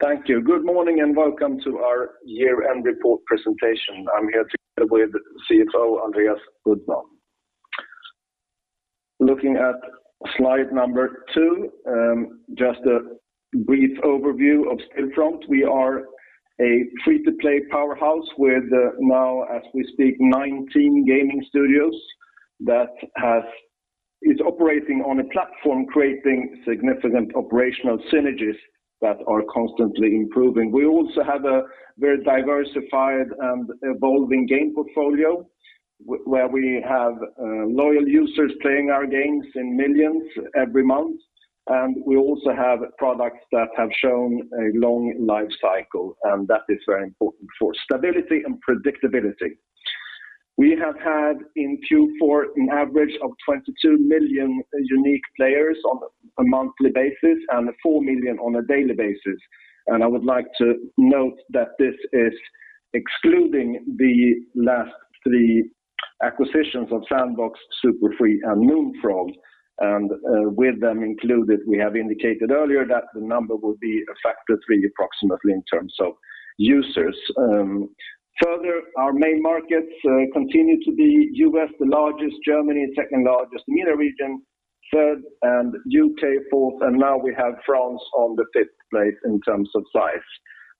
Meeting. Thank you. Good morning, welcome to our year-end report presentation. I'm here together with CFO, Andreas Uddman. Looking at slide number two, just a brief overview of Stillfront. We are a free-to-play powerhouse with now, as we speak, 19 gaming studios that is operating on a platform creating significant operational synergies that are constantly improving. We also have a very diversified and evolving game portfolio where we have loyal users playing our games in millions every month. We also have products that have shown a long life cycle, and that is very important for stability and predictability. We have had in Q4 an average of 22 million unique players on a monthly basis and four million on a daily basis. I would like to note that this is excluding the last three acquisitions of Sandbox, Super Free and Moonfrog. With them included, we have indicated earlier that the number will be a factor of three approximately in terms of users. Further, our main markets continue to be U.S., the largest, Germany, second largest, MENA region, third, U.K., fourth, and now we have France on the fifth place in terms of size.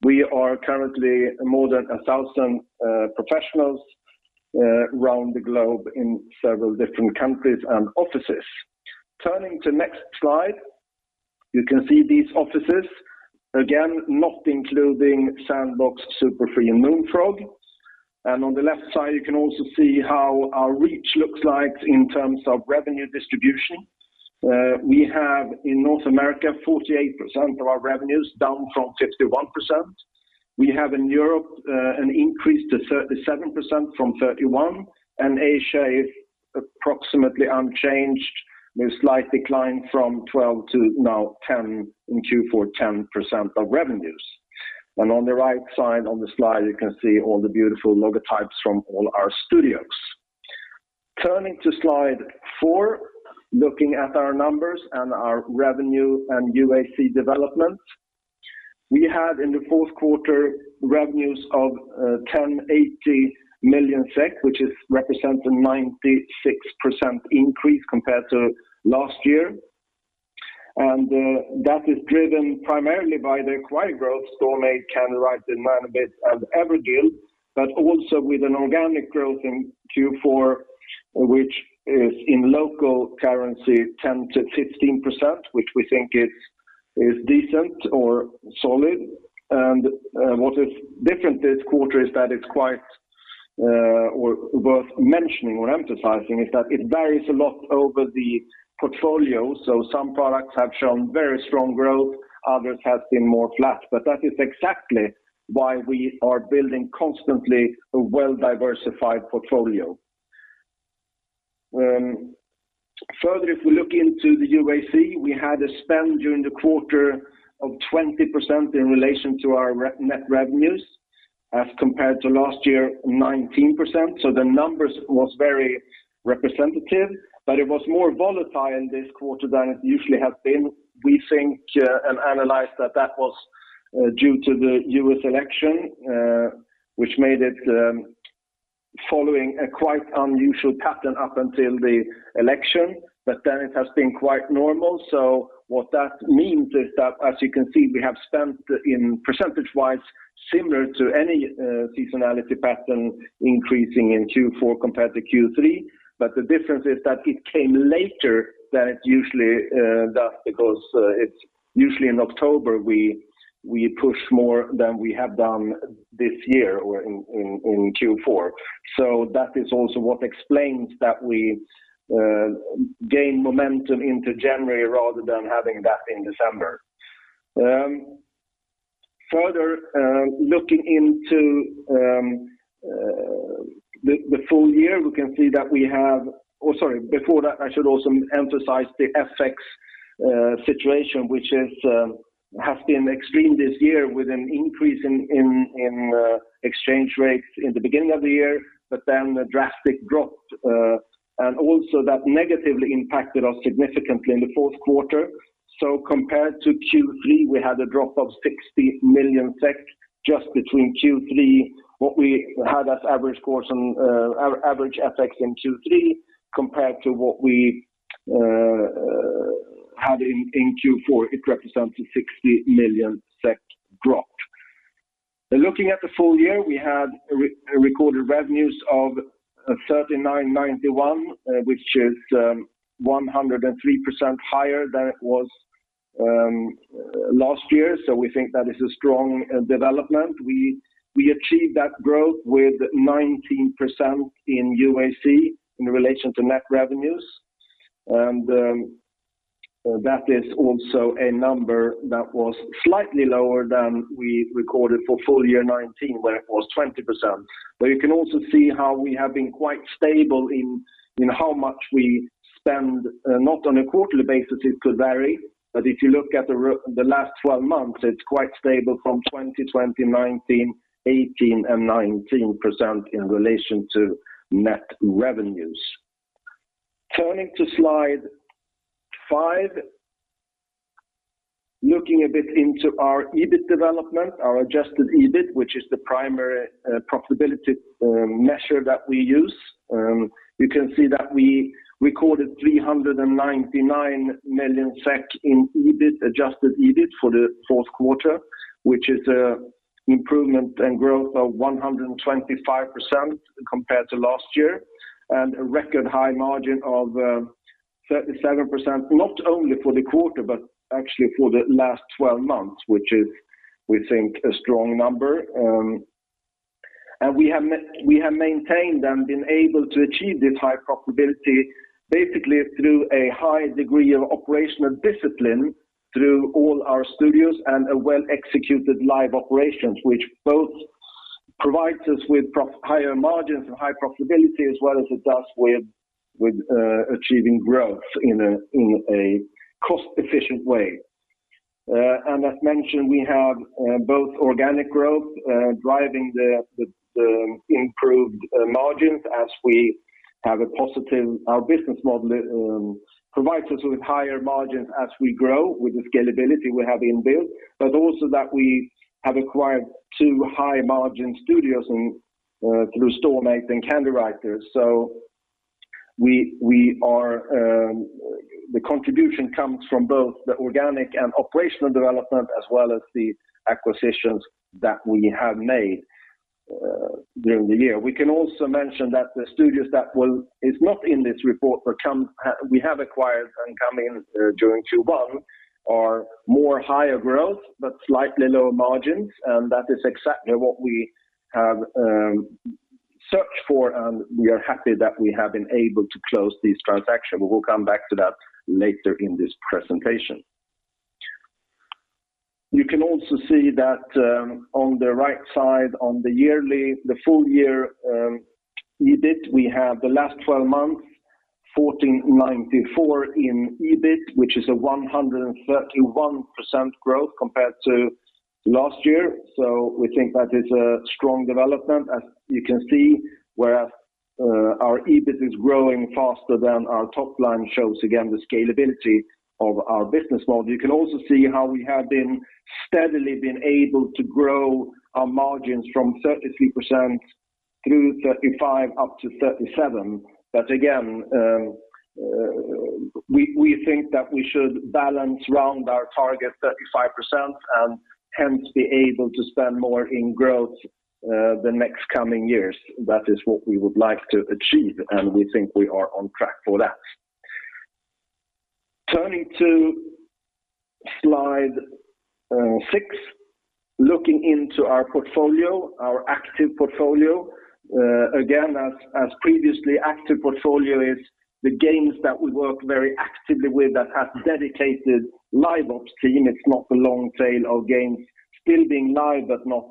We are currently more than 1,000 professionals around the globe in several different countries and offices. Turning to next slide, you can see these offices, again, not including Sandbox, Super Free and Moonfrog. On the left side, you can also see how our reach looks like in terms of revenue distribution. We have in North America 48% of our revenues, down from 51%. We have in Europe an increase to 37% from 31%, and Asia is approximately unchanged with slight decline from 12% to now 10% in Q4, 10% of revenues. On the right side on the slide, you can see all the beautiful logotypes from all our studios. Turning to slide four, looking at our numbers and our revenue and UAC development. We have in the fourth quarter revenues of 1,080 million SEK, which is representing 96% increase compared to last year. That is driven primarily by the acquired growth, Storm8, Candywriter, Nanobit and Everguild, but also with an organic growth in Q4, which is in local currency, 10%-15%, which we think is decent or solid. What is different this quarter is that it's quite worth mentioning or emphasizing is that it varies a lot over the portfolio. Some products have shown very strong growth, others have been more flat, but that is exactly why we are building constantly a well-diversified portfolio. If we look into the UAC, we had a spend during the quarter of 20% in relation to our net revenues as compared to last year, 19%. The numbers was very representative, but it was more volatile in this quarter than it usually has been. We think and analyze that that was due to the U.S. election, which made it following a quite unusual pattern up until the election, but then it has been quite normal. What that means is that as you can see, we have spent in percentage-wise similar to any seasonality pattern increasing in Q4 compared to Q3. The difference is that it came later than it usually does because it's usually in October we push more than we have done this year in Q4. That is also what explains that we gain momentum into January rather than having that in December. Further, looking into the full year, oh, sorry, before that, I should also emphasize the FX situation, which has been extreme this year with an increase in exchange rates in the beginning of the year, but then a drastic drop, and also that negatively impacted us significantly in the fourth quarter. Compared to Q3, we had a drop of 60 million SEK just between Q3, what we had as average FX in Q3 compared to what we had in Q4, it represents a 60 million SEK drop. Looking at the full year, we had recorded revenues of 3,991, which is 103% higher than it was last year. We think that is a strong development. We achieved that growth with 19% in UAC in relation to net revenues. That is also a number that was slightly lower than we recorded for full year 2019, where it was 20%. You can also see how we have been quite stable in how much we spend, not on a quarterly basis it could vary, but if you look at the last 12 months, it's quite stable from 2020, 2019, 2018 and 19% in relation to net revenues. Turning to slide five. Looking a bit into our EBIT development, our adjusted EBIT, which is the primary profitability measure that we use, you can see that we recorded 399 million SEK in adjusted EBIT for the fourth quarter, which is an improvement and growth of 125% compared to last year, and a record high margin of 37%, not only for the quarter, but actually for the last 12 months, which is, we think, a strong number. We have maintained and been able to achieve this high profitability basically through a high degree of operational discipline through all our studios and a well-executed live operations, which both provides us with higher margins and high profitability as well as it does with achieving growth in a cost-efficient way. As mentioned, we have both organic growth driving the improved margins as our business model provides us with higher margins as we grow with the scalability we have inbuilt, but also that we have acquired two high-margin studios through Storm8 and Candywriter. The contribution comes from both the organic and operational development as well as the acquisitions that we have made during the year. We can also mention that the studios that is not in this report, but we have acquired and coming during Q1 are more higher growth but slightly lower margins, and that is exactly what we have searched for, and we are happy that we have been able to close this transaction. We will come back to that later in this presentation. You can also see that on the right side, on the full year EBIT, we have the last 12 months, 1,494 million in EBIT, which is a 131% growth compared to last year. We think that is a strong development. As you can see where our EBIT is growing faster than our top line shows again the scalability of our business model. You can also see how we have steadily been able to grow our margins from 33% through 35% up to 37%. Again, we think that we should balance around our target 35% and hence be able to spend more in growth the next coming years. That is what we would like to achieve, and we think we are on track for that. Turning to slide six, looking into our active portfolio. Again, as previously, active portfolio is the games that we work very actively with that has dedicated Live Ops team. It's not the long tail of games still being live but not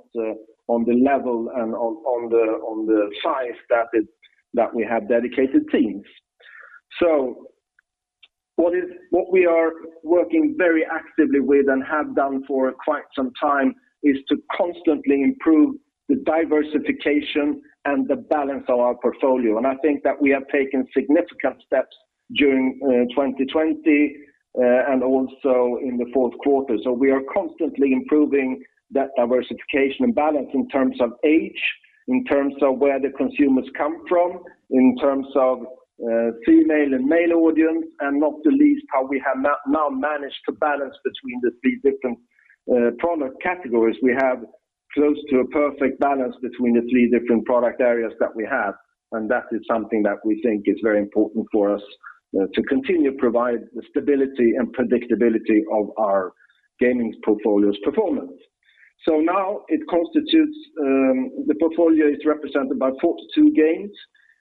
on the level and on the size that we have dedicated teams. What we are working very actively with and have done for quite some time is to constantly improve the diversification and the balance of our portfolio. I think that we have taken significant steps during 2020, and also in the fourth quarter. We are constantly improving that diversification and balance in terms of age, in terms of where the consumers come from, in terms of female and male audience, and not the least, how we have now managed to balance between the three different product categories. We have close to a perfect balance between the three different product areas that we have, and that is something that we think is very important for us to continue to provide the stability and predictability of our gaming portfolio's performance. Now the portfolio is represented by 42 games,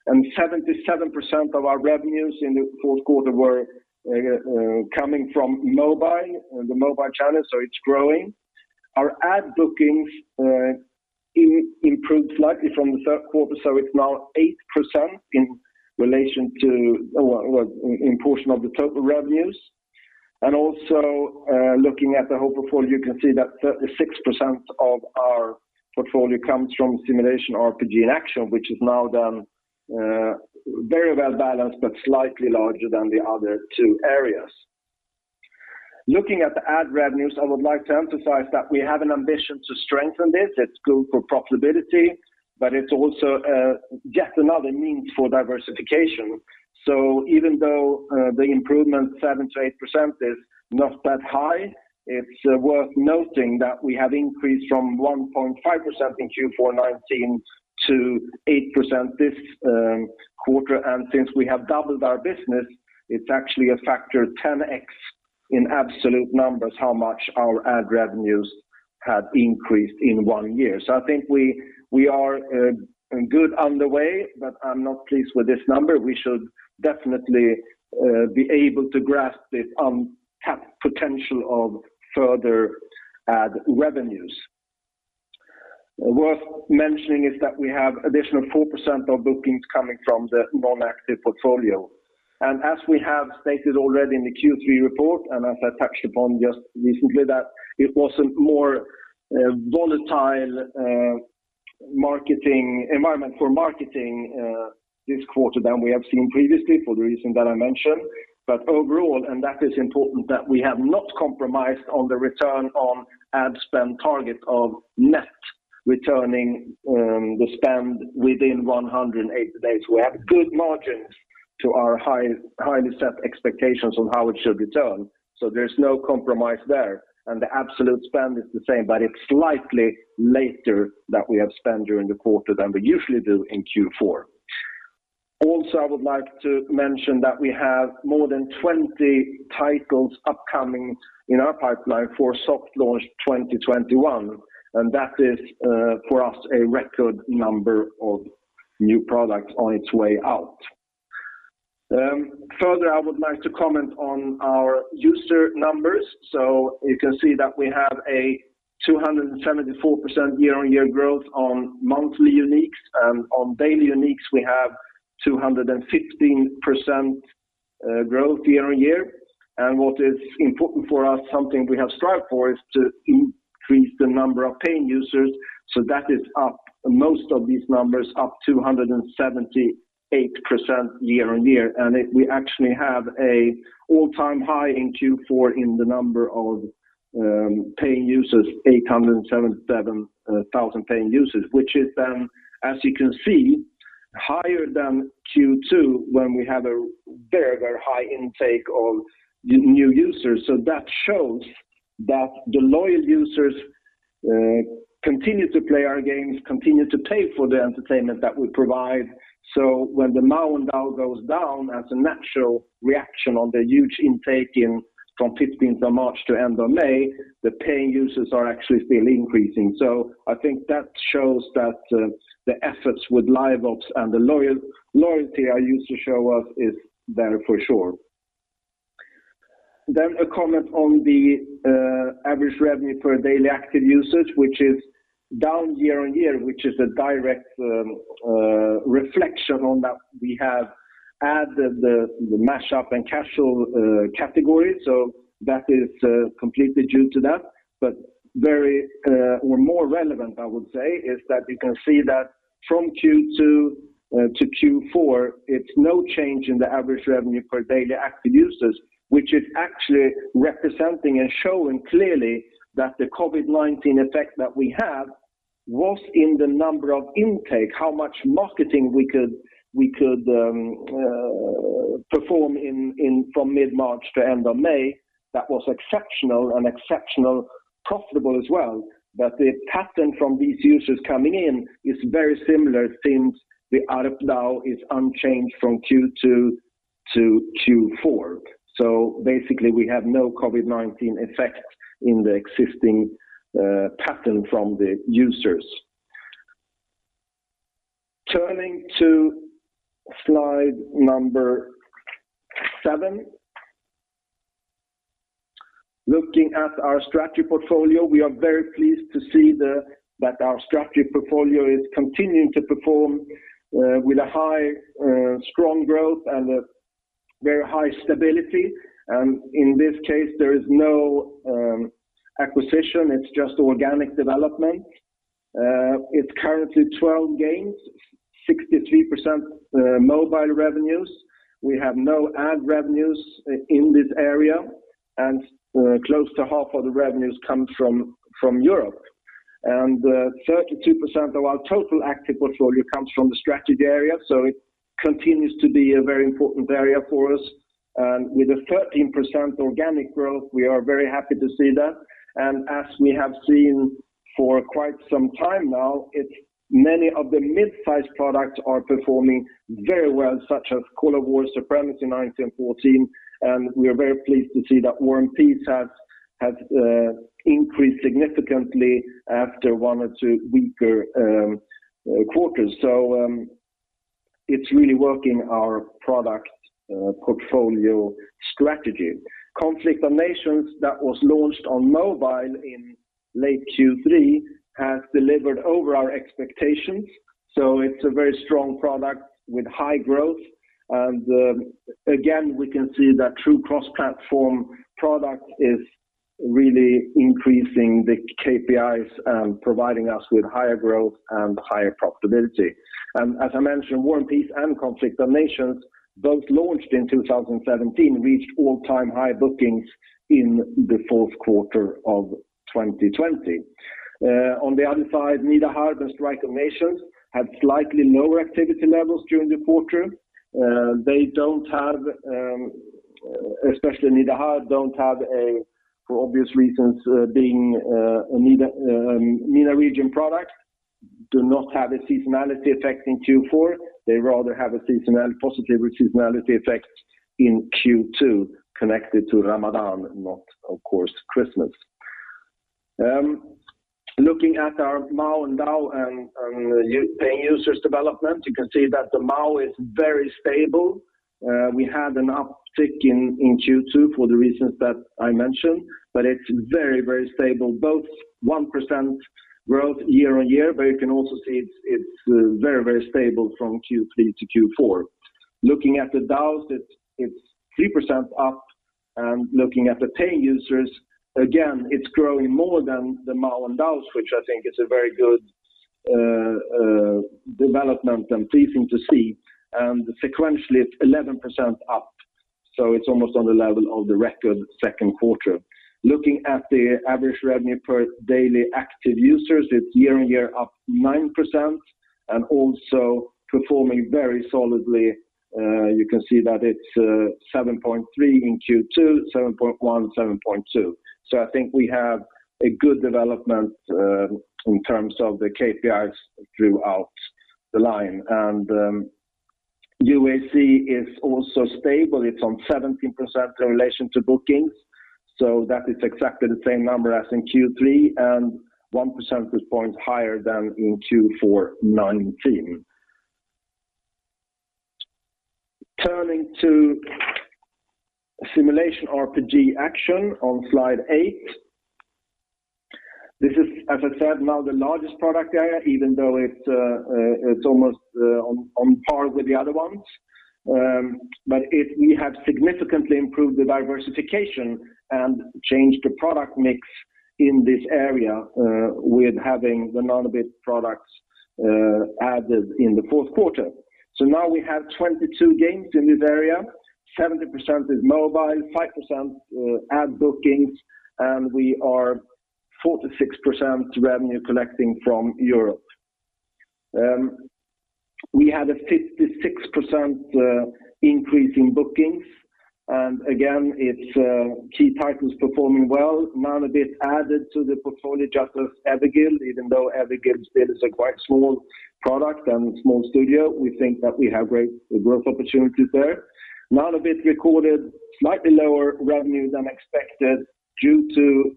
and 77% of our revenues in the fourth quarter were coming from the mobile channel, so it's growing. Our ad bookings improved slightly from the third quarter, so it's now 8% in portion of the total revenues. Also, looking at the whole portfolio, you can see that 36% of our portfolio comes from simulation, RPG, and action, which is now very well-balanced but slightly larger than the other two areas. Looking at the ad revenues, I would like to emphasize that we have an ambition to strengthen this. It's good for profitability, it's also yet another means for diversification. Even though the improvement 7%-8% is not that high, it's worth noting that we have increased from 1.5% in Q4 2019 to 8% this quarter. Since we have doubled our business, it's actually a factor 10x in absolute numbers how much our ad revenues have increased in one year. I think we are good on the way, I'm not pleased with this number. We should definitely be able to grasp the untapped potential of further ad revenues. Worth mentioning is that we have additional 4% of bookings coming from the non-active portfolio. As we have stated already in the Q3 report, and as I touched upon just recently, that it was a more volatile environment for marketing this quarter than we have seen previously for the reason that I mentioned. Overall, and that is important, that we have not compromised on the return on ad spend target of net returning the spend within 180 days. We have good margins to our highly set expectations on how it should return. There's no compromise there, and the absolute spend is the same, but it's slightly later that we have spent during the quarter than we usually do in Q4. I would like to mention that we have more than 20 titles upcoming in our pipeline for soft launch 2021. That is for us a record number of new products on its way out. Further, I would like to comment on our user numbers. You can see that we have a 274% year-on-year growth on monthly uniques and on daily uniques we have 215% growth year-on-year. What is important for us, something we have strived for, is to increase the number of paying users. That is up, most of these numbers up 278% year-on-year. We actually have a all-time high in Q4 in the number of paying users, 877,000 paying users, which is then, as you can see, higher than Q2 when we had a very high intake of new users. That shows that the loyal users continue to play our games, continue to pay for the entertainment that we provide. When the MAU and DAU goes down as a natural reaction on the huge intake from 15th of March to end of May, the paying users are actually still increasing. I think that shows that the efforts with Live Ops and the loyalty our users show us is there for sure. A comment on the average revenue per daily active users, which is down year-on-year, which is a direct reflection on that we have added the mashup and casual category. That is completely due to that. More relevant, I would say, is that you can see that from Q2 to Q4, it's no change in the average revenue per daily active users, which is actually representing and showing clearly that the COVID-19 effect that we have was in the number of intake, how much marketing we could perform from mid-March to end of May. That was exceptional and exceptional profitable as well. The pattern from these users coming in is very similar since the ARPDAU is unchanged from Q2 to Q4. Basically, we have no COVID-19 effect in the existing pattern from the users. Turning to slide number seven. Looking at our strategy portfolio, we are very pleased to see that our strategy portfolio is continuing to perform with a high, strong growth and a very high stability. In this case, there is no acquisition, it's just organic development. It's currently 12 games, 63% mobile revenues. We have no ad revenues in this area, and close to half of the revenues come from Europe. 32% of our total active portfolio comes from the strategy area, so it continues to be a very important area for us. With a 13% organic growth, we are very happy to see that. As we have seen for quite some time now, many of the mid-size products are performing very well, such as Call of War, Supremacy 1914, and we are very pleased to see that War and Peace has increased significantly after one or two weaker quarters. It's really working our product portfolio strategy. Conflict of Nations that was launched on mobile in late Q3 has delivered over our expectations. It's a very strong product with high growth. Again, we can see that true cross-platform product is really increasing the KPIs and providing us with higher growth and higher profitability. As I mentioned, War and Peace and Conflict of Nations, both launched in 2017, reached all-time high bookings in the fourth quarter of 2020. On the other side, Nida Harb and Strike of Nations had slightly lower activity levels during the quarter. They, especially Nida Harb, don't have, for obvious reasons, being a MENA region product, do not have a seasonality effect in Q4. They rather have a positive seasonality effect in Q2 connected to Ramadan, not of course Christmas. Looking at our MAU and DAU and paying users development, you can see that the MAU is very stable. We had an uptick in Q2 for the reasons that I mentioned. It's very stable, both 1% growth year-over-year. You can also see it's very stable from Q3 to Q4. Looking at the DAU, it's 3% up. Looking at the paying users, again, it's growing more than the MAU and DAU, which I think is a very good development and pleasing to see. Sequentially, it's 11% up. It's almost on the level of the record second quarter. Looking at the average revenue per daily active users, it's year-over-year up 9%. Also performing very solidly. You can see that it's 7.3 in Q2, 7.1, 7.2. I think we have a good development in terms of the KPIs throughout the line. UAC is also stable. It's on 17% in relation to bookings. That is exactly the same number as in Q3 and one percentage point higher than in Q4 2019. Turning to Simulation RPG Action on slide eight. This is, as I said, now the largest product area, even though it's almost on par with the other ones. We have significantly improved the diversification and changed the product mix in this area with having the Nanobit products added in the fourth quarter. Now we have 22 games in this area. 70% is mobile, 5% ad bookings, and we are 46% revenue collecting from Europe. We had a 56% increase in bookings, and again, it's key titles performing well. Nanobit added to the portfolio just as Everguild, even though Everguild still is a quite small product and small studio, we think that we have great growth opportunities there. Nanobit recorded slightly lower revenue than expected due to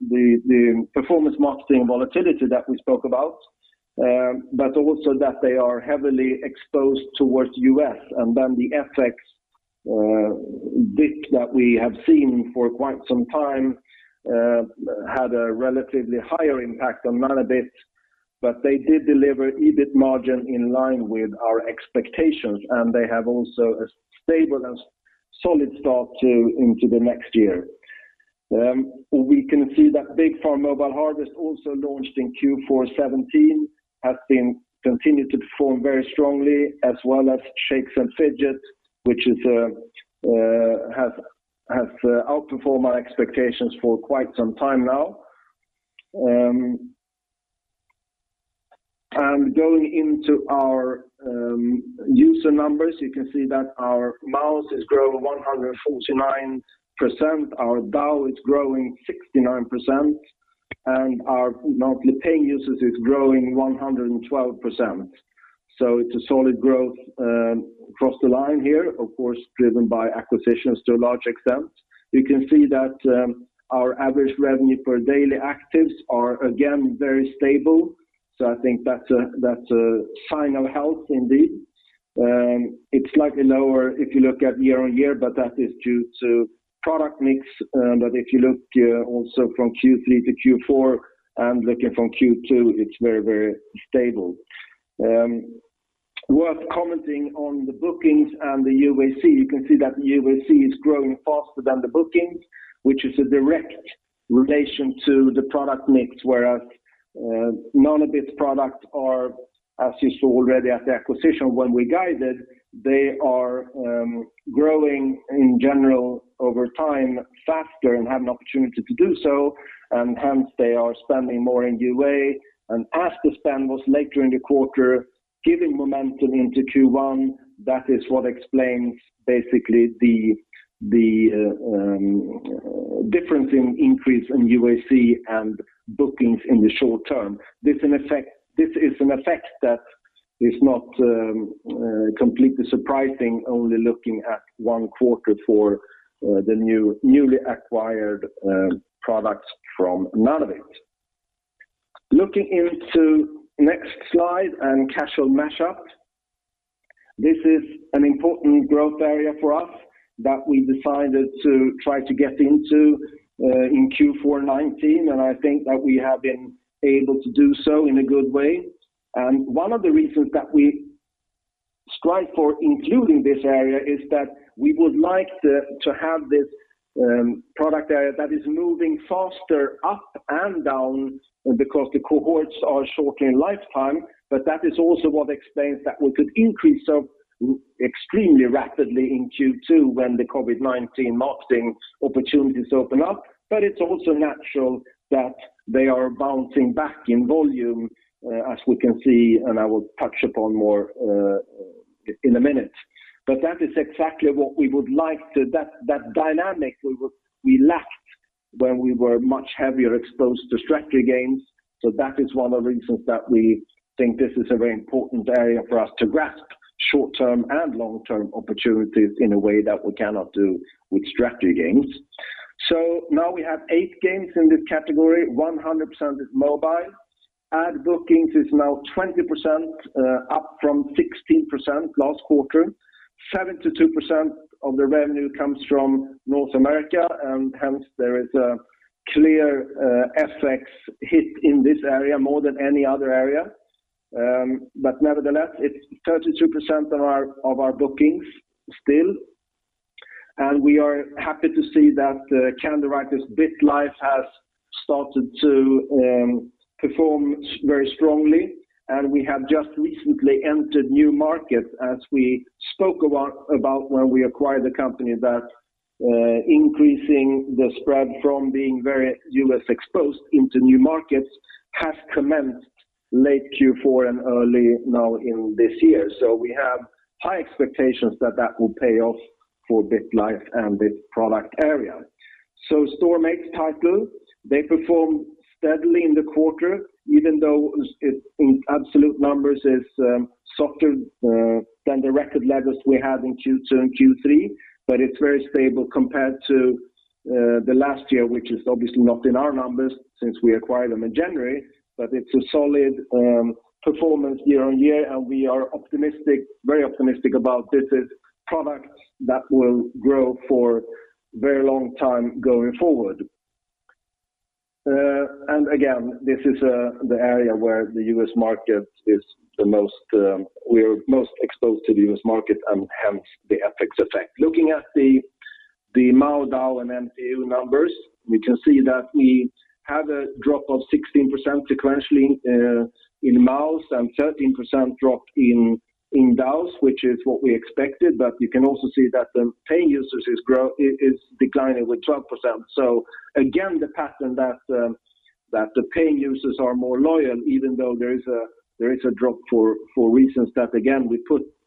the performance marketing volatility that we spoke about, but also that they are heavily exposed towards U.S., and then the FX dip that we have seen for quite some time had a relatively higher impact on Nanobit. They did deliver EBIT margin in line with our expectations, and they have also a stable and solid start into the next year. We can see that Big Farm: Mobile Harvest, also launched in Q4 2017, has continued to perform very strongly, as well as Shakes & Fidget, which has outperformed my expectations for quite some time now. Going into our user numbers, you can see that our MAUs has grown 149%, our DAU is growing 69%, and our monthly paying users is growing 112%. It's a solid growth across the line here, of course, driven by acquisitions to a large extent. You can see that our average revenue per daily actives are again very stable. I think that's a sign of health indeed. It's slightly lower if you look at year-on-year, but that is due to product mix. If you look also from Q3 to Q4 and looking from Q2, it's very stable. Worth commenting on the bookings and the UAC. You can see that the UAC is growing faster than the bookings, which is a direct relation to the product mix, whereas Nanobit products are, as you saw already at the acquisition when we guided, they are growing in general over time faster and have an opportunity to do so, and hence they are spending more in UA. As the spend was late during the quarter, giving momentum into Q1, that is what explains basically the difference in increase in UAC and bookings in the short term. This is an effect that is not completely surprising, only looking at one quarter for the newly acquired products from Nanobit. Looking into next slide and Casual Mash-Up. This is an important growth area for us that we decided to try to get into in Q4 2019, and I think that we have been able to do so in a good way. One of the reasons that we strive for including this area is that we would like to have this product area that is moving faster up and down because the cohorts are shorter in lifetime. That is also what explains that we could increase extremely rapidly in Q2 when the COVID-19 marketing opportunities open up. It's also natural that they are bouncing back in volume, as we can see, and I will touch upon more in a minute. That is exactly what we would like. That dynamic we lacked when we were much heavier exposed to strategy games. That is one of the reasons that we think this is a very important area for us to grasp short-term and long-term opportunities in a way that we cannot do with strategy games. Now we have eight games in this category. 100% is mobile. Ad bookings is now 20%, up from 16% last quarter. 72% of the revenue comes from North America, and hence there is a clear FX hit in this area more than any other area. Nevertheless, it's 32% of our bookings still, and we are happy to see that Candywriter, BitLife has started to perform very strongly, and we have just recently entered new markets as we spoke about when we acquired the company that increasing the spread from being very US exposed into new markets has commenced late Q4 and early now in this year. We have high expectations that will pay off for BitLife and this product area. Storm8 titles, they performed steadily in the quarter, even though in absolute numbers it's softer than the record levels we had in Q2 and Q3, but it's very stable compared to the last year, which is obviously not in our numbers since we acquired them in January. It's a solid performance year-on-year, and we are very optimistic about this product that will grow for a very long time going forward. Again, this is the area where we're most exposed to the U.S. market and hence the FX effect. Looking at the MAU, DAU, and MPU numbers, we can see that we have a drop of 16% sequentially in MAUs and 13% drop in DAUs, which is what we expected, you can also see that the paying users is declining with 12%. Again, the pattern that the paying users are more loyal, even though there is a drop for reasons that, again,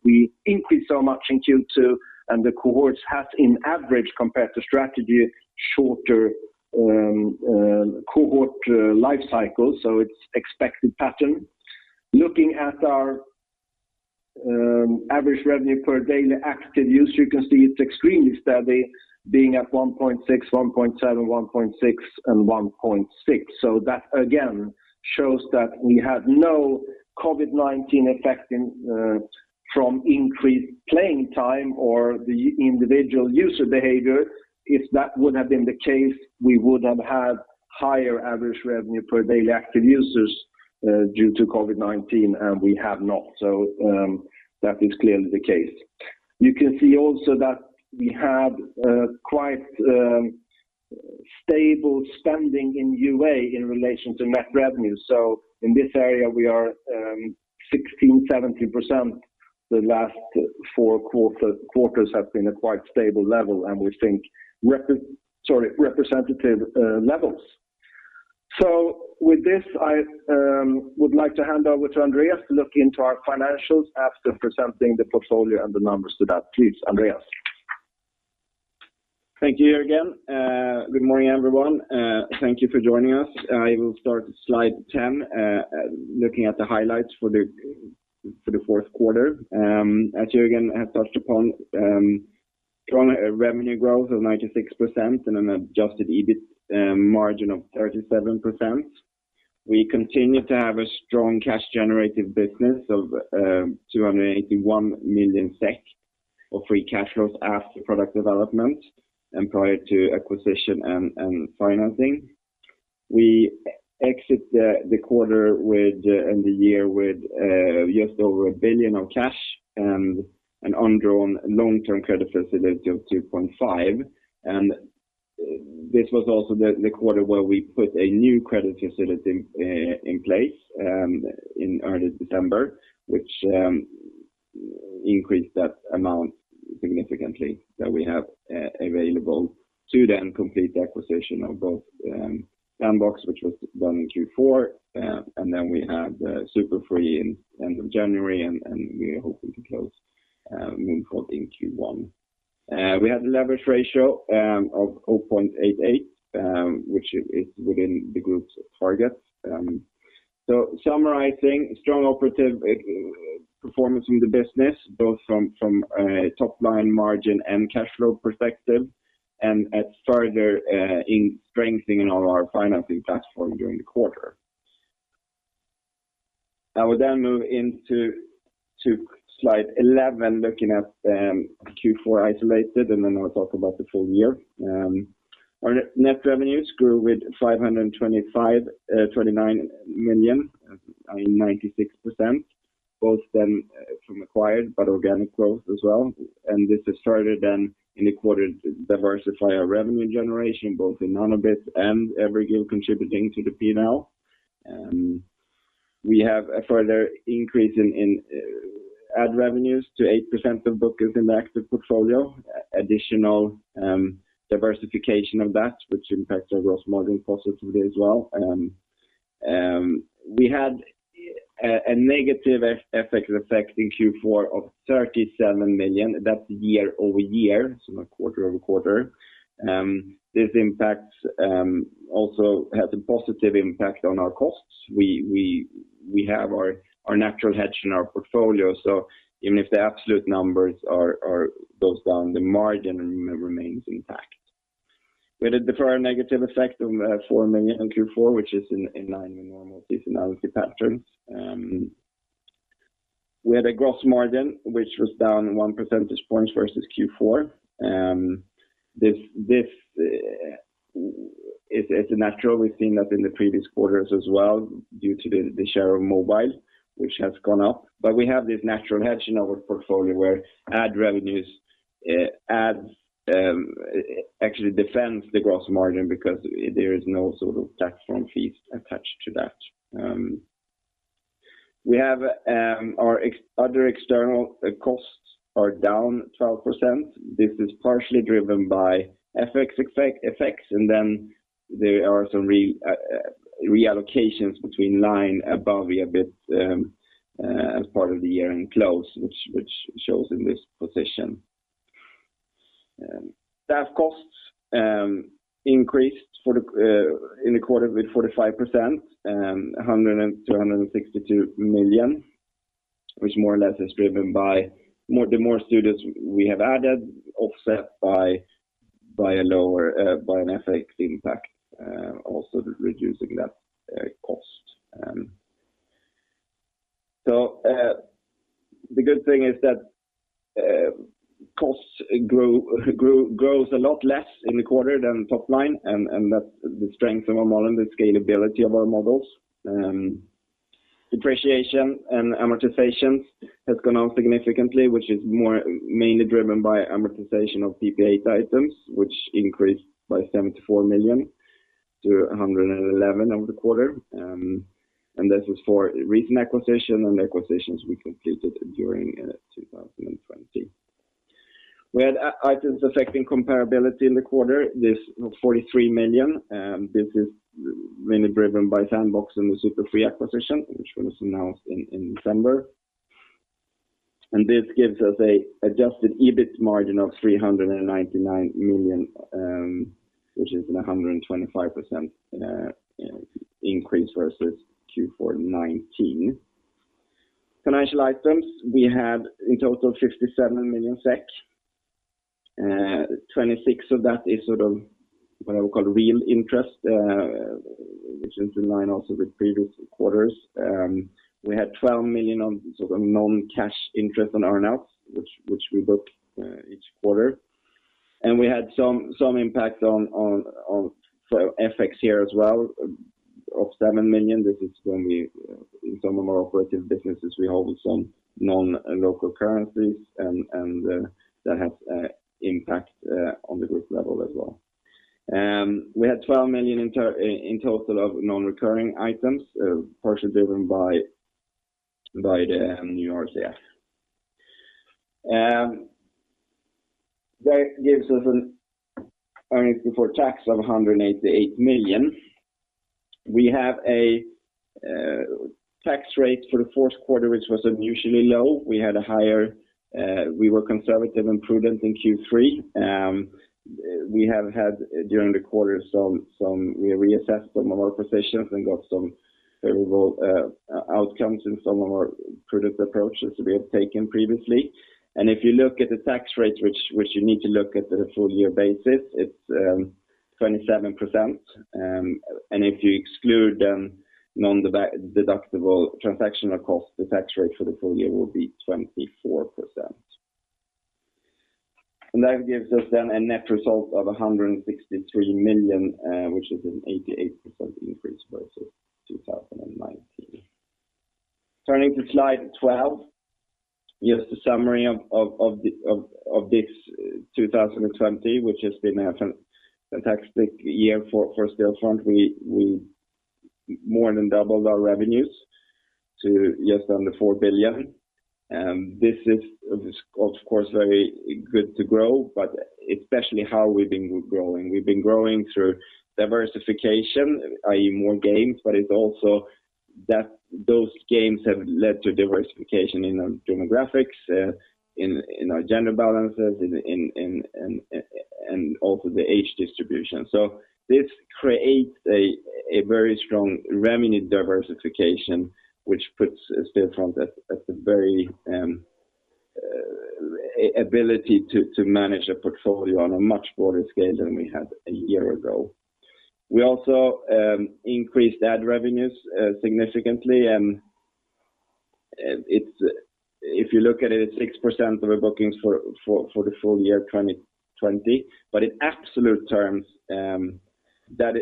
we increased so much in Q2 and the cohorts had, in average, compared to strategy, shorter cohort life cycles, so it's expected pattern. Looking at our average revenue per daily active user, you can see it is extremely steady being at 1.6, 1.7, 1.6, and 1.6. That, again, shows that we had no COVID-19 effect from increased playing time or the individual user behavior. If that would have been the case, we would have had higher average revenue per daily active users due to COVID-19, and we have not. That is clearly the case. You can see also that we had quite stable spending in UA in relation to net revenue. In this area, we are 16%-17%. The last four quarters have been a quite stable level, and we think representative levels. With this, I would like to hand over to Andreas to look into our financials after presenting the portfolio and the numbers to that. Please, Andreas. Thank you, Jörgen. Good morning, everyone. Thank you for joining us. I will start with slide 10, looking at the highlights for the fourth quarter. As Jörgen has touched upon, strong revenue growth of 96% and an adjusted EBIT margin of 37%. We continue to have a strong cash generative business of 281 million SEK of free cash flow after product development and prior to acquisition and financing. We exit the quarter and the year with just over 1 billion of cash and an undrawn long-term credit facility of 2.5 billion. This was also the quarter where we put a new credit facility in place in early December, which increased that amount significantly that we have available to then complete the acquisition of both Sandbox, which was done in Q4, and then we have Super Free in the end of January, and we are hoping to close Moonfrog in Q1. We had a leverage ratio of 0.88, which is within the group's targets. Summarizing, strong operative performance in the business, both from a top-line margin and cash flow perspective, and further in strengthening our financing platform during the quarter. I will move into slide 11, looking at Q4 isolated, and then I will talk about the full year. Our net revenues grew with 529 million, 96%, both from acquired but organic growth as well. This has started then in the quarter to diversify our revenue generation, both Nanobit and Everguild contributing to the P&L. We have a further increase in ad revenues to 8% of bookings in the active portfolio. Additional diversification of that, which impacts our gross margin positively as well. We had a negative FX effect in Q4 of 37 million. That's year-over-year, so not quarter-over-quarter. This also has a positive impact on our costs. We have our natural hedge in our portfolio, so even if the absolute numbers go down, the margin remains intact. We had a deferred negative effect of 4 million in Q4, which is in line with normal seasonality patterns. We had a gross margin which was down one percentage point versus Q4. This is natural. We've seen that in the previous quarters as well due to the share of mobile, which has gone up. We have this natural hedge in our portfolio where ad revenues actually defend the gross margin because there is no sort of platform fees attached to that. Our other external costs are down 12%. This is partially driven by FX effects, and then there are some reallocations between line above EBIT as part of the year-end close, which shows in this position. Staff costs increased in the quarter with 45%, 100 million and 262 million, which more or less is driven by the more studios we have added, offset by an FX impact, also reducing that cost. The good thing is that costs grows a lot less in the quarter than top line, and that's the strength of our model and the scalability of our models. Depreciation and amortization has gone up significantly, which is mainly driven by amortization of PPA items, which increased by 74 million-111 million over the quarter. This is for recent acquisition and acquisitions we completed during 2020. We had items affecting comparability in the quarter, this was 43 million. This is mainly driven by Sandbox and the Super Free acquisition, which was announced in December. This gives us an adjusted EBIT margin of 399 million, which is a 125% increase versus Q4-19. Financial items, we had in total 57 million SEK. 26 million of that is what I would call real interest, which is in line also with previous quarters. We had 12 million of non-cash interest on earn-outs which we book each quarter. We had some impact on FX here as well of 7 million. This is going to be in some of our operative businesses. We hold some non-local currencies, and that has impact on the group level as well. We had 12 million in total of non-recurring items, partially driven by the new RCF. That gives us an earnings before tax of 188 million. We have a tax rate for the fourth quarter which was unusually low. We were conservative and prudent in Q3. We have had during the quarter, we reassessed some of our positions and got some favorable outcomes in some of our product approaches we have taken previously. If you look at the tax rate, which you need to look at the full year basis, it's 27%. If you exclude non-deductible transactional cost, the tax rate for the full year will be 24%. That gives us then a net result of 163 million which is an 88% increase versus 2019. Turning to slide 12. Here's the summary of this 2020, which has been a fantastic year for Stillfront. We more than doubled our revenues to just under 4 billion. This is of course very good to grow, but especially how we've been growing. We've been growing through diversification, i.e. more games, but it's also that those games have led to diversification in our demographics, in our gender balances, and also the age distribution. This creates a very strong revenue diversification, which puts Stillfront at the very ability to manage a portfolio on a much broader scale than we had a year ago. We also increased ad revenues significantly. If you look at it's 6% of our bookings for the full year 2020. In absolute terms, that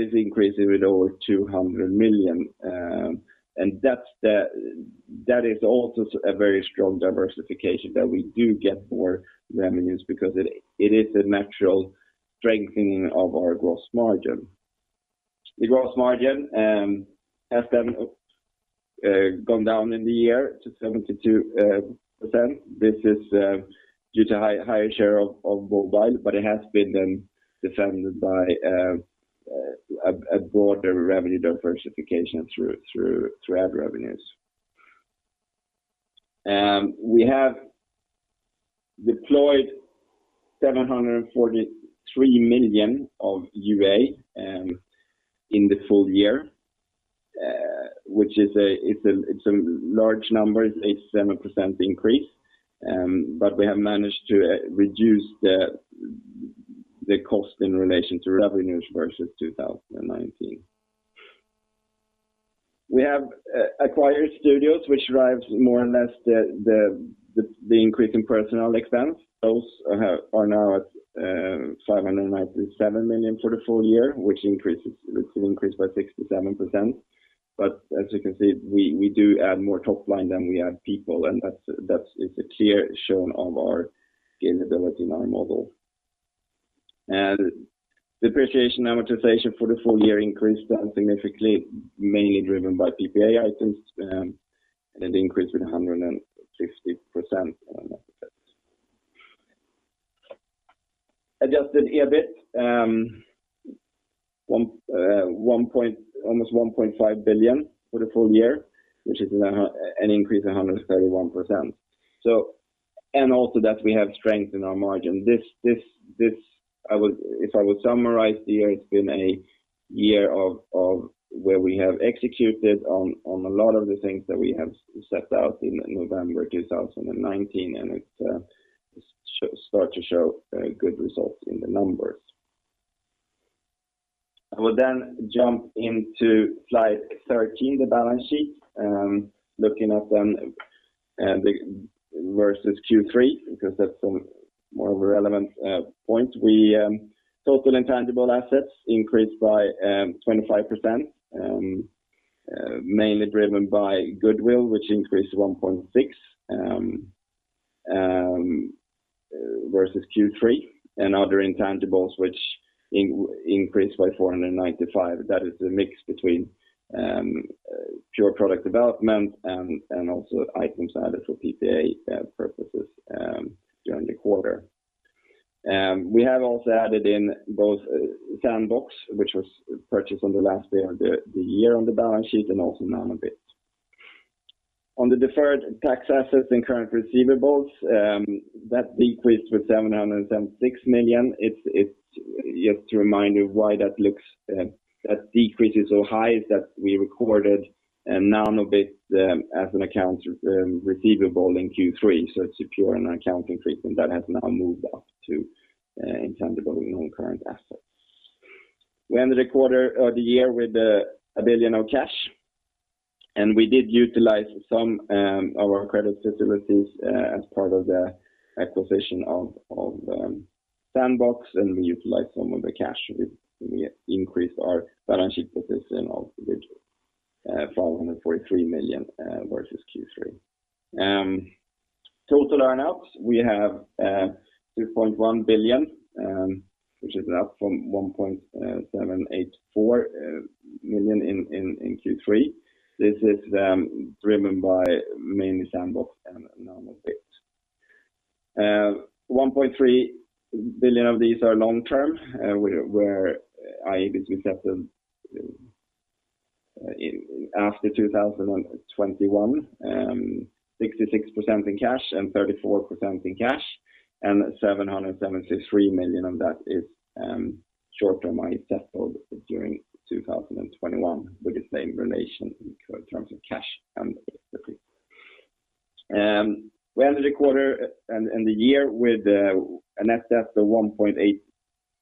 is increasing with over 200 million. That is also a very strong diversification that we do get more revenues because it is a natural strengthening of our gross margin. The gross margin has then gone down in the year to 72%. This is due to higher share of mobile, but it has been then defended by a broader revenue diversification through ad revenues. We have deployed 743 million of UA in the full year, which it's a large number. It's a 7% increase. We have managed to reduce the cost in relation to revenues versus 2019. We have acquired studios which drives more or less the increase in personnel expense. Those are now at 597 million for the full year, which increased by 67%. As you can see, we do add more top line than we add people, and that is a clear showing of our scalability in our model. Depreciation amortization for the full year increased significantly, mainly driven by PPA items, and it increased with 150% on that. Adjusted EBIT, almost 1.5 billion for the full year, which is an increase of 131%. Also that we have strength in our margin. If I would summarize the year, it's been a year of where we have executed on a lot of the things that we have set out in November 2019. It start to show good results in the numbers. I will jump into slide 13, the balance sheet. Looking at them versus Q3, because that's a more relevant point. Total intangible assets increased by 25%, mainly driven by goodwill, which increased to 1.6 versus Q3, and other intangibles which increased by 495 million. That is the mix between pure product development and also items added for PPA purposes during the quarter. We have also added in both Sandbox, which was purchased on the last day of the year on the balance sheet, and also Nanobit. On the deferred tax assets and current receivables, that decreased with 776 million. Just to remind you why that decrease is so high, is that we recorded Nanobit as an accounts receivable in Q3. It's a pure accounting treatment that has now moved up to intangible and non-current assets. We ended the year with 1 billion of cash, and we did utilize some of our credit facilities as part of the acquisition of Sandbox, and we utilized some of the cash. We increased our balance sheet position of 543 million versus Q3. Total earnouts, we have 2.1 billion, which is up from 1,784 million in Q3. This is driven by mainly Sandbox and Nanobit. 1.3 billion of these are long-term, where i.e. will set them after 2021, 66% in cash and 34% in cash, and 773 million of that is short-term, i.e. settled during 2021 with the same relation in terms of cash and equity. We ended the quarter and the year with 1.8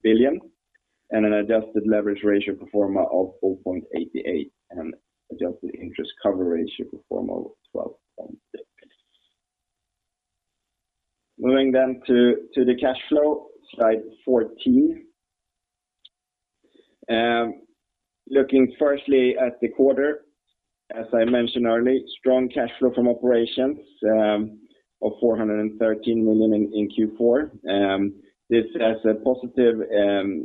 billion and an adjusted leverage ratio pro forma of 0.88, and adjusted interest cover ratio pro forma of 12.6. Moving to the cash flow, slide 14. Looking firstly at the quarter, as I mentioned earlier, strong cash flow from operations of 413 million in Q4. This has a positive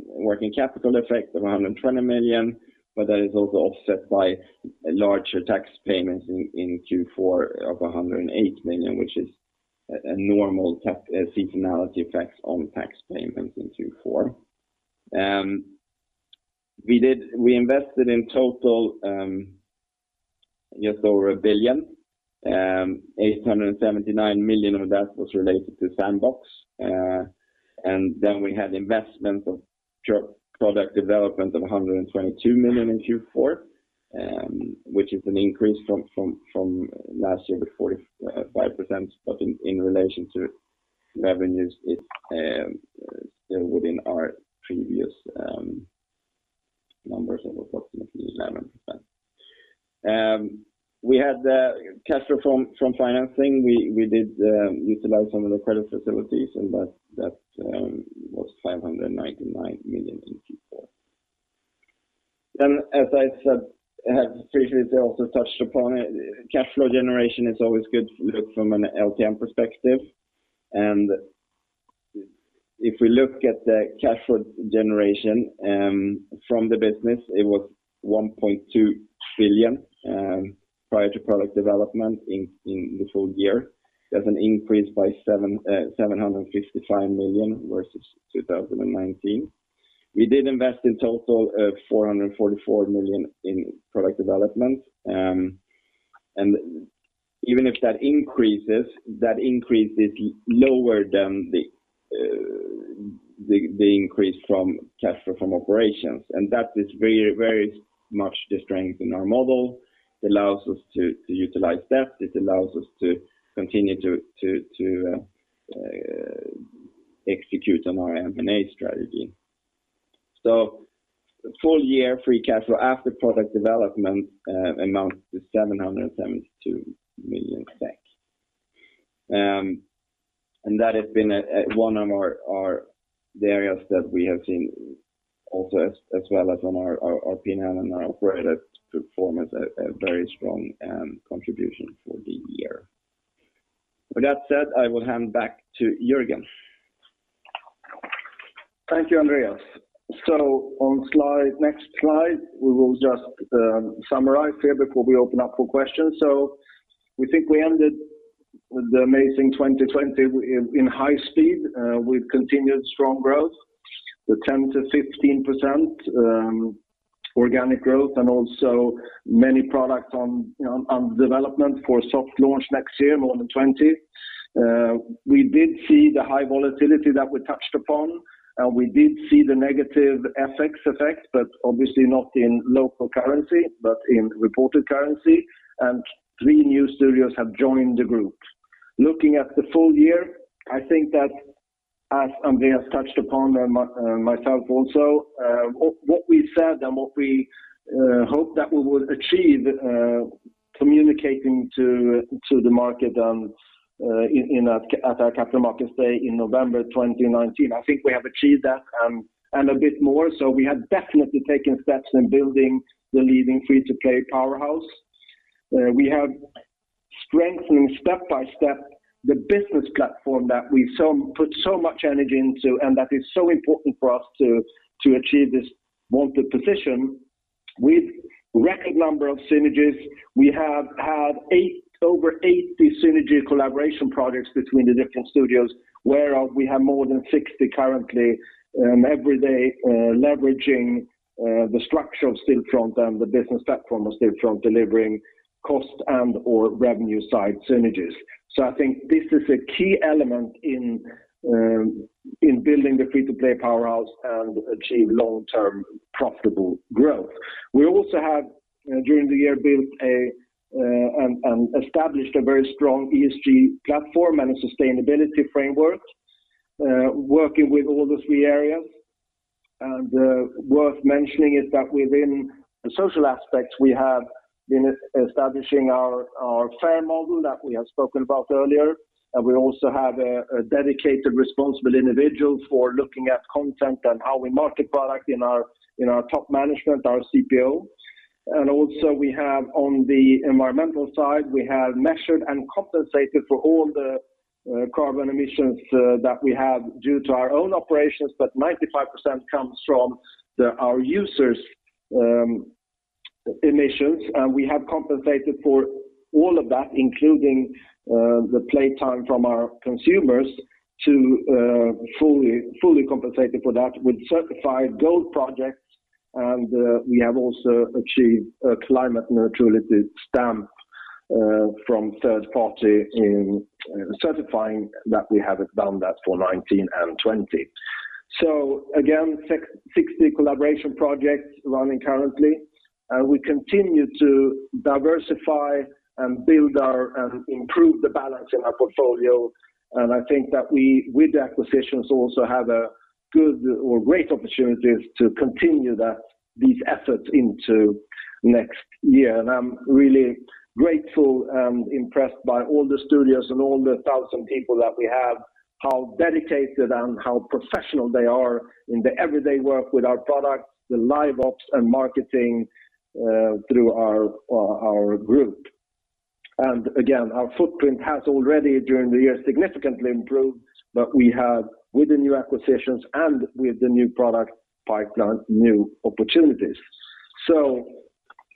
working capital effect of 120 million, but that is also offset by larger tax payments in Q4 of 108 million, which is a normal seasonality effect on tax payments in Q4. We invested in total just over 1 billion. 879 million of that was related to Sandbox. We had investment of product development of 122 million in Q4, which is an increase from last year of 45%, but in relation to revenues, it's still within our previous numbers of approximately 11%. We had cash flow from financing. We did utilize some of the credit facilities, that was 599 million in Q4. As I said, previously also touched upon it, cash flow generation is always good to look from an LTM perspective. If we look at the cash flow generation from the business, it was 1.2 billion prior to product development in the full year. That's an increase by 755 million versus 2019. We did invest in total of 444 million in product development. Even if that increases, that increase is lower than the increase from cash flow from operations. That is very much the strength in our model. It allows us to utilize that. It allows us to continue to execute on our M&A strategy. Full year free cash flow after product development amounts to SEK 772 million. That has been one of our areas that we have seen also as well as on our P&L and our operating performance a very strong contribution for the year. With that said, I will hand back to Jörgen. Thank you, Andreas. On next slide, we will just summarize here before we open up for questions. We think we ended the amazing 2020 in high speed with continued strong growth, the 10%-15% organic growth, many products on development for soft launch next year, more than 20. We did see the high volatility that we touched upon. We did see the negative FX effect, obviously not in local currency, but in reported currency. Three new studios have joined the group. Looking at the full year, I think that as Andreas touched upon and myself also, what we said and what we hope that we will achieve communicating to the market at our Capital Markets Day in November 2019, I think we have achieved that and a bit more. We have definitely taken steps in building the leading free-to-play powerhouse. We have strengthening step-by-step the business platform that we've put so much energy into, and that is so important for us to achieve this wanted position with record number of synergies. We have had over 80 synergy collaboration projects between the different studios, where we have more than 60 currently every day leveraging the structure of Stillfront and the business platform of Stillfront delivering cost and/or revenue side synergies. I think this is a key element in building the free-to-play powerhouse and achieve long-term profitable growth. We also have, during the year, built and established a very strong ESG platform and a sustainability framework, working with all the three areas. Worth mentioning is that within the social aspects, we have been establishing our FAIR model that we have spoken about earlier, we also have a dedicated responsible individual for looking at content and how we market product in our top management, our CPO. Also we have on the environmental side, we have measured and compensated for all the carbon emissions that we have due to our own operations, but 95% comes from our users' emissions. We have compensated for all of that, including the playtime from our consumers to fully compensated for that with certified gold projects. We have also achieved a climate neutrality stamp from third-party in certifying that we have done that for 2019 and 2020. Again, 60 collaboration projects running currently. We continue to diversify and build and improve the balance in our portfolio. I think that we, with the acquisitions, also have a good or great opportunities to continue these efforts into next year. I'm really grateful and impressed by all the studios and all the 1,000 people that we have, how dedicated and how professional they are in the everyday work with our product, the Live Ops and marketing through our group. Again, our footprint has already during the year significantly improved, but we have with the new acquisitions and with the new product pipeline, new opportunities.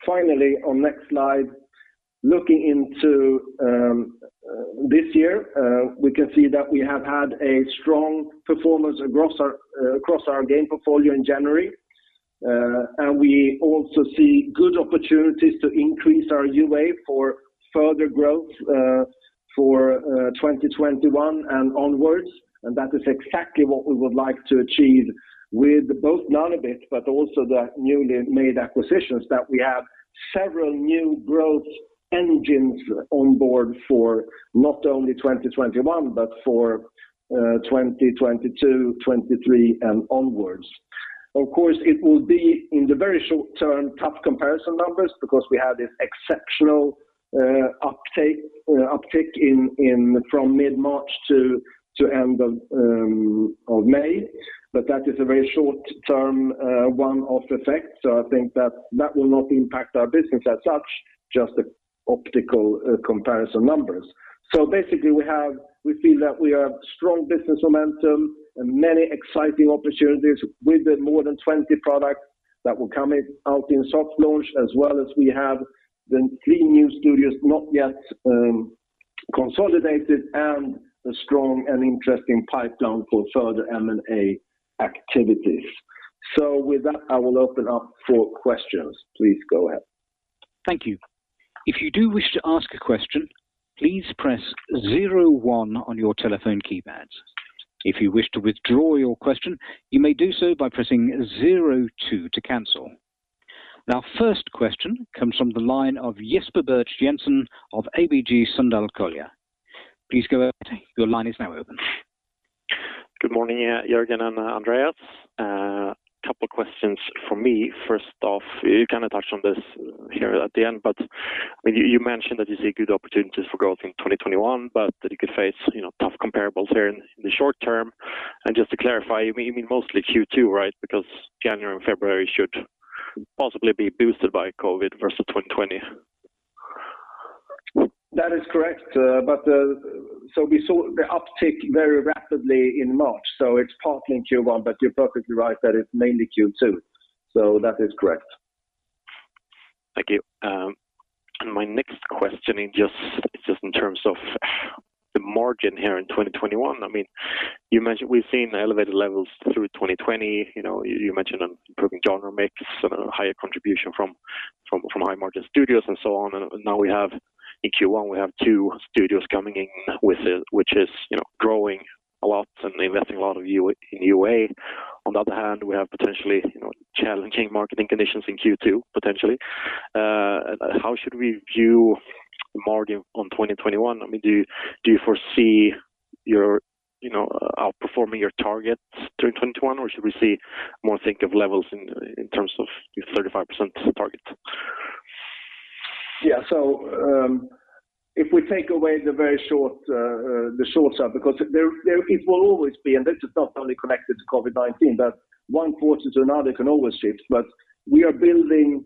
Finally, on next slide, looking into this year, we can see that we have had a strong performance across our game portfolio in January. We also see good opportunities to increase our UA for further growth for 2021 and onwards. That is exactly what we would like to achieve with both Nanobit, but also the newly made acquisitions that we have several new growth engines on board for not only 2021, but for 2022, 2023, and onwards. Of course, it will be in the very short term, tough comparison numbers because we had this exceptional uptick from mid-March to end of May. That is a very short-term one-off effect. I think that will not impact our business as such, just the optical comparison numbers. Basically, we feel that we have strong business momentum and many exciting opportunities with the more than 20 products that will come out in soft launch, as well as we have the three new studios not yet consolidated and a strong and interesting pipeline for further M&A activities. With that, I will open up for questions. Please go ahead. Thank you. Our first question comes from the line of Jesper Birch-Jensen of ABG Sundal Collier. Please go ahead. Good morning, Jörgen and Andreas. A couple questions from me. First off, you touched on this here at the end, but you mentioned that you see good opportunities for growth in 2021, but that you could face tough comparables here in the short term. Just to clarify, you mean mostly Q2, right? January and February should possibly be boosted by COVID versus 2020. That is correct. We saw the uptick very rapidly in March. It's partly in Q1, but you're perfectly right that it's mainly Q2. That is correct. Thank you. My next question is just in terms of the margin here in 2021. We've seen elevated levels through 2020. You mentioned improving genre mix, some higher contribution from high-margin studios and so on. Now in Q1, we have two studios coming in which is growing a lot and investing a lot in UA. On the other hand, we have potentially challenging marketing conditions in Q2. How should we view margin on 2021? Do you foresee outperforming your targets through 2021, or should we more think of levels in terms of your 35% target? If we take away the very short term, because it will always be, and this is not only connected to COVID-19, but one quarter to another can always shift, but we are building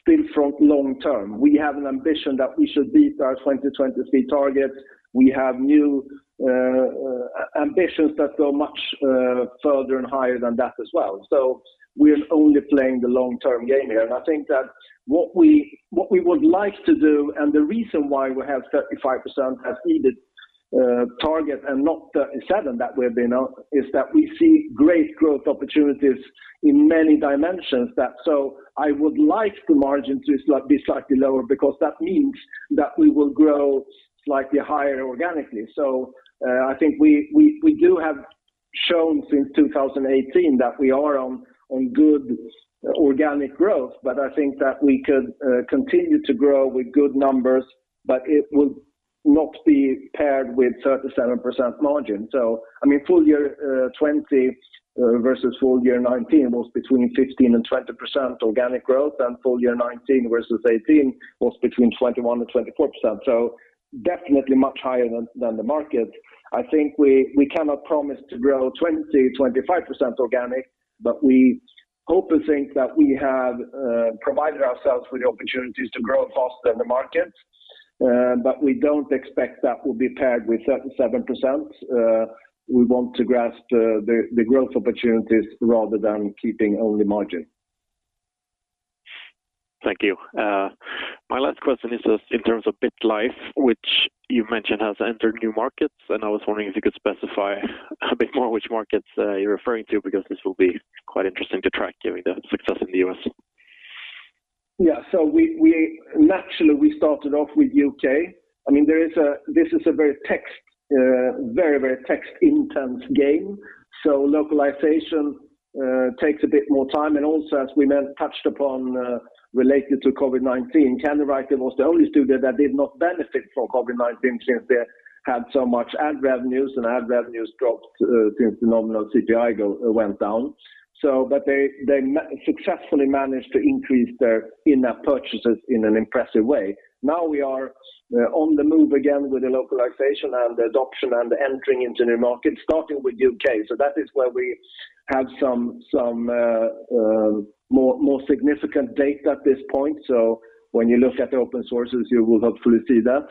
still for long term. We have an ambition that we should beat our 2023 targets. We have new ambitions that go much further and higher than that as well. We are only playing the long-term game here. I think that what we would like to do, and the reason why we have 35% as EBIT target and not 37% that we have been on, is that we see great growth opportunities in many dimensions. I would like the margin to be slightly lower because that means that we will grow slightly higher organically. I think we do have shown since 2018 that we are on good organic growth, but I think that we could continue to grow with good numbers, but it will not be paired with 37% margin. full year 2020 versus full year 2019 was between 15%-20% organic growth, and full year 2019 versus 2018 was between 21%-24%, so definitely much higher than the market. I think we cannot promise to grow 20%, 25% organic, but we hope to think that we have provided ourselves with the opportunities to grow faster than the market. We don't expect that will be paired with 37%. We want to grasp the growth opportunities rather than keeping only margin. Thank you. My last question is just in terms of BitLife, which you've mentioned has entered new markets, and I was wondering if you could specify a bit more which markets you're referring to, because this will be quite interesting to track given the success in the U.S. Yeah. Naturally, we started off with U.K. This is a very text-intense game, so localization takes a bit more time, and also, as we touched upon, related to COVID-19, Candywriter was the only studio that did not benefit from COVID-19 since they had so much ad revenues, and ad revenues dropped since the nominal CPI went down. They successfully managed to increase their in-app purchases in an impressive way. Now we are on the move again with the localization and the adoption and entering into new markets, starting with U.K. That is where we have some more significant data at this point. When you look at the open sources, you will hopefully see that.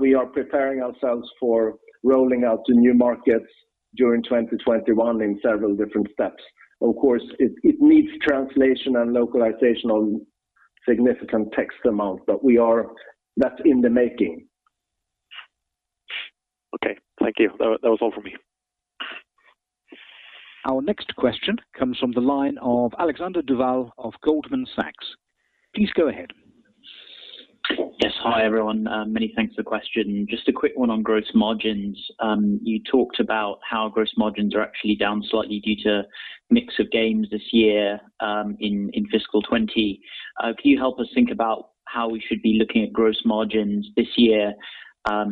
We are preparing ourselves for rolling out to new markets during 2021 in several different steps. Of course, it needs translation and localization on significant text amount, but that's in the making. Okay. Thank you. That was all from me. Our next question comes from the line of Alexander Duval of Goldman Sachs. Please go ahead. Yes. Hi, everyone. Many thanks for the question. Just a quick one on gross margins. You talked about how gross margins are actually down slightly due to mix of games this year in fiscal 2020. Can you help us think about how we should be looking at gross margins this year?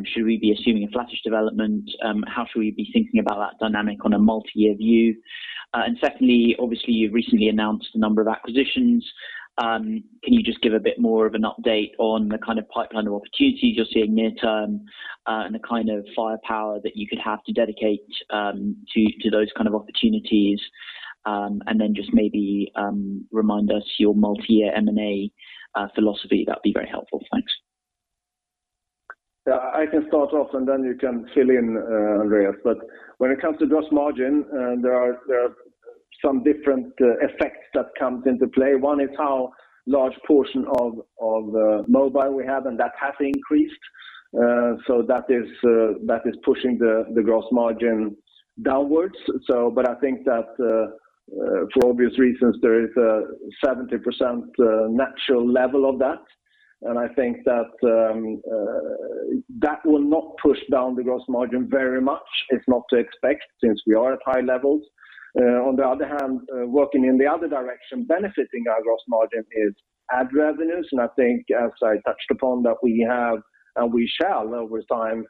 Should we be assuming a flattish development? How should we be thinking about that dynamic on a multi-year view? Secondly, obviously, you've recently announced a number of acquisitions. Can you just give a bit more of an update on the kind of pipeline of opportunities you're seeing near term and the kind of firepower that you could have to dedicate to those kind of opportunities? Then just maybe remind us your multi-year M&A philosophy. That'd be very helpful. Thanks. I can start off, and then you can fill in, Andreas. When it comes to gross margin, there are some different effects that comes into play. One is how large portion of mobile we have, and that has increased. That is pushing the gross margin downwards. I think that, for obvious reasons, there is a 70% natural level of that. I think that will not push down the gross margin very much. It's not to expect, since we are at high levels. On the other hand, working in the other direction, benefiting our gross margin is ad revenues, and I think as I touched upon, that we have and we shall over time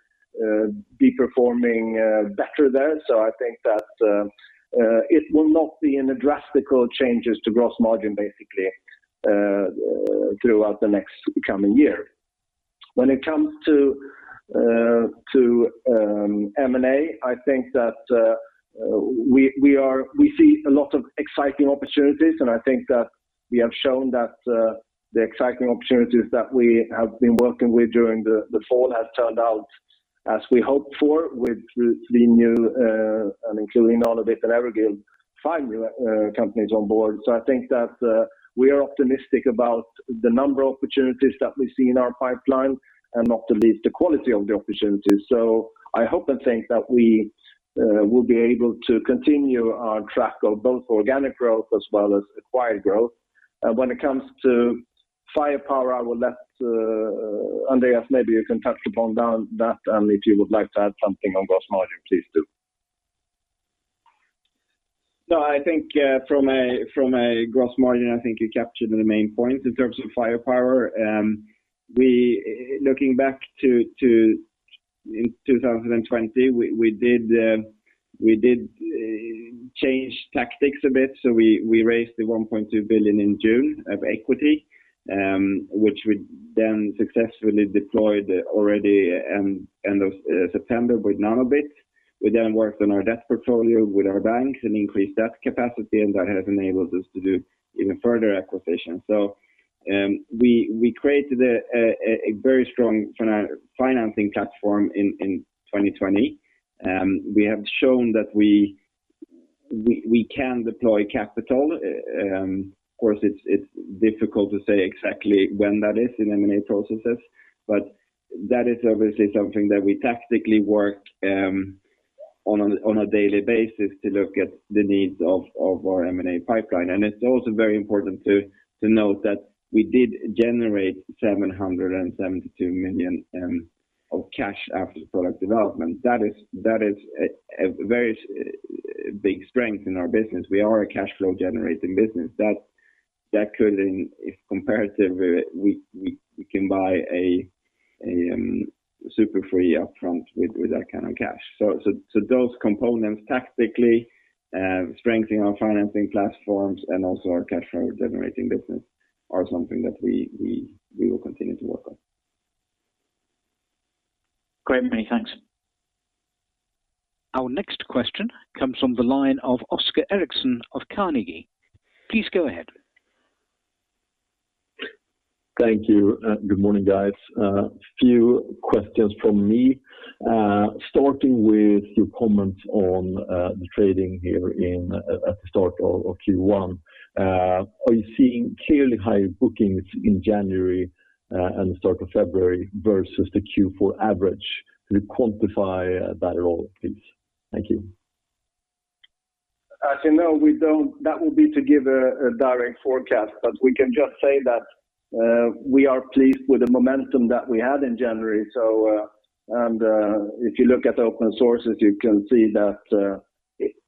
be performing better there. I think that it will not be in the drastic changes to gross margin, basically, throughout the next coming year. When it comes to M&A, I think that we see a lot of exciting opportunities, and I think that we have shown that the exciting opportunities that we have been working with during the fall have turned out as we hoped for with three new, and including Nanobit and Everguild, five companies on board. I think that we are optimistic about the number of opportunities that we see in our pipeline and not the least, the quality of the opportunities. I hope and think that we will be able to continue our track of both organic growth as well as acquired growth. When it comes to firepower, I will let Andreas, maybe you can touch upon that, and if you would like to add something on gross margin, please do. No, I think from a gross margin, I think you captured the main point. In terms of firepower, looking back in 2020, we did change tactics a bit. We raised the 1.2 billion in June of equity, which we then successfully deployed already end of September with Nanobit. We then worked on our debt portfolio with our banks and increased debt capacity, that has enabled us to do even further acquisitions. We created a very strong financing platform in 2020. We have shown that we can deploy capital. Of course, it's difficult to say exactly when that is in M&A processes, but that is obviously something that we tactically work on a daily basis to look at the needs of our M&A pipeline. It's also very important to note that we did generate 772 million of cash after product development. That is a very big strength in our business. We are a cash flow generating business. That could, if comparative, we can buy a Super Free upfront with that kind of cash. Those components tactically, strengthening our financing platforms and also our cash flow generating business are something that we will continue to work on. Great, many thanks. Our next question comes from the line of Oscar Erixson of Carnegie. Please go ahead. Thank you. Good morning, guys. A few questions from me, starting with your comments on the trading here at the start of Q1. Are you seeing clearly higher bookings in January and the start of February versus the Q4 average? Can you quantify that at all, please? Thank you. As you know, that will be to give a direct forecast. We can just say that we are pleased with the momentum that we had in January. If you look at open sources, you can see that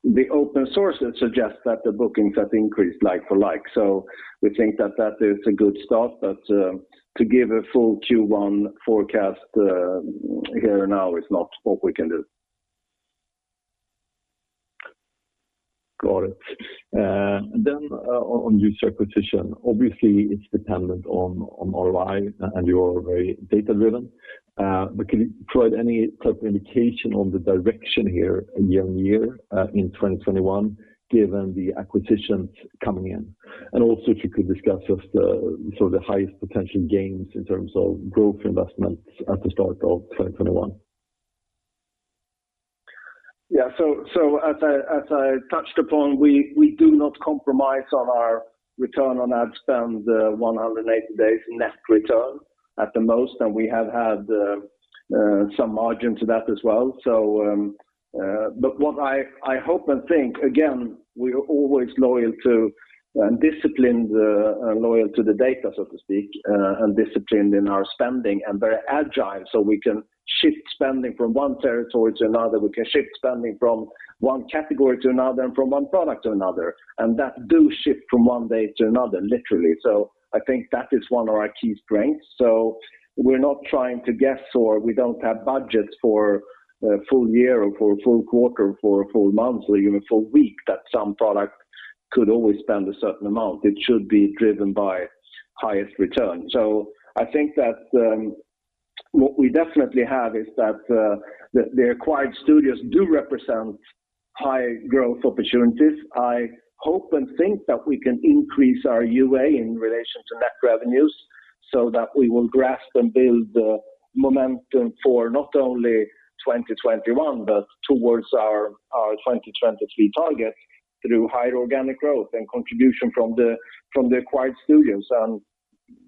the open sources suggest that the bookings have increased like for like. We think that that is a good start. To give a full Q1 forecast here now is not what we can do. Got it. On user acquisition, obviously it's dependent on ROI, and you are very data-driven. Can you provide any type of indication on the direction here year-on-year in 2021 given the acquisitions coming in? Also if you could discuss just the highest potential gains in terms of growth investments at the start of 2021? Yeah. As I touched upon, we do not compromise on our return on ad spend, the 180 days net return at the most, and we have had some margin to that as well. What I hope and think, again, we are always loyal to and disciplined, loyal to the data, so to speak, and disciplined in our spending and very agile, so we can shift spending from one territory to another. We can shift spending from one category to another and from one product to another, and that do shift from one day to another, literally. I think that is one of our key strengths. We're not trying to guess, or we don't have budgets for a full year or for a full quarter or for a full month or even a full week that some product could always spend a certain amount. It should be driven by highest return. I think that what we definitely have is that the acquired studios do represent high growth opportunities. I hope and think that we can increase our UA in relation to net revenues so that we will grasp and build the momentum for not only 2021, but towards our 2023 target through higher organic growth and contribution from the acquired studios.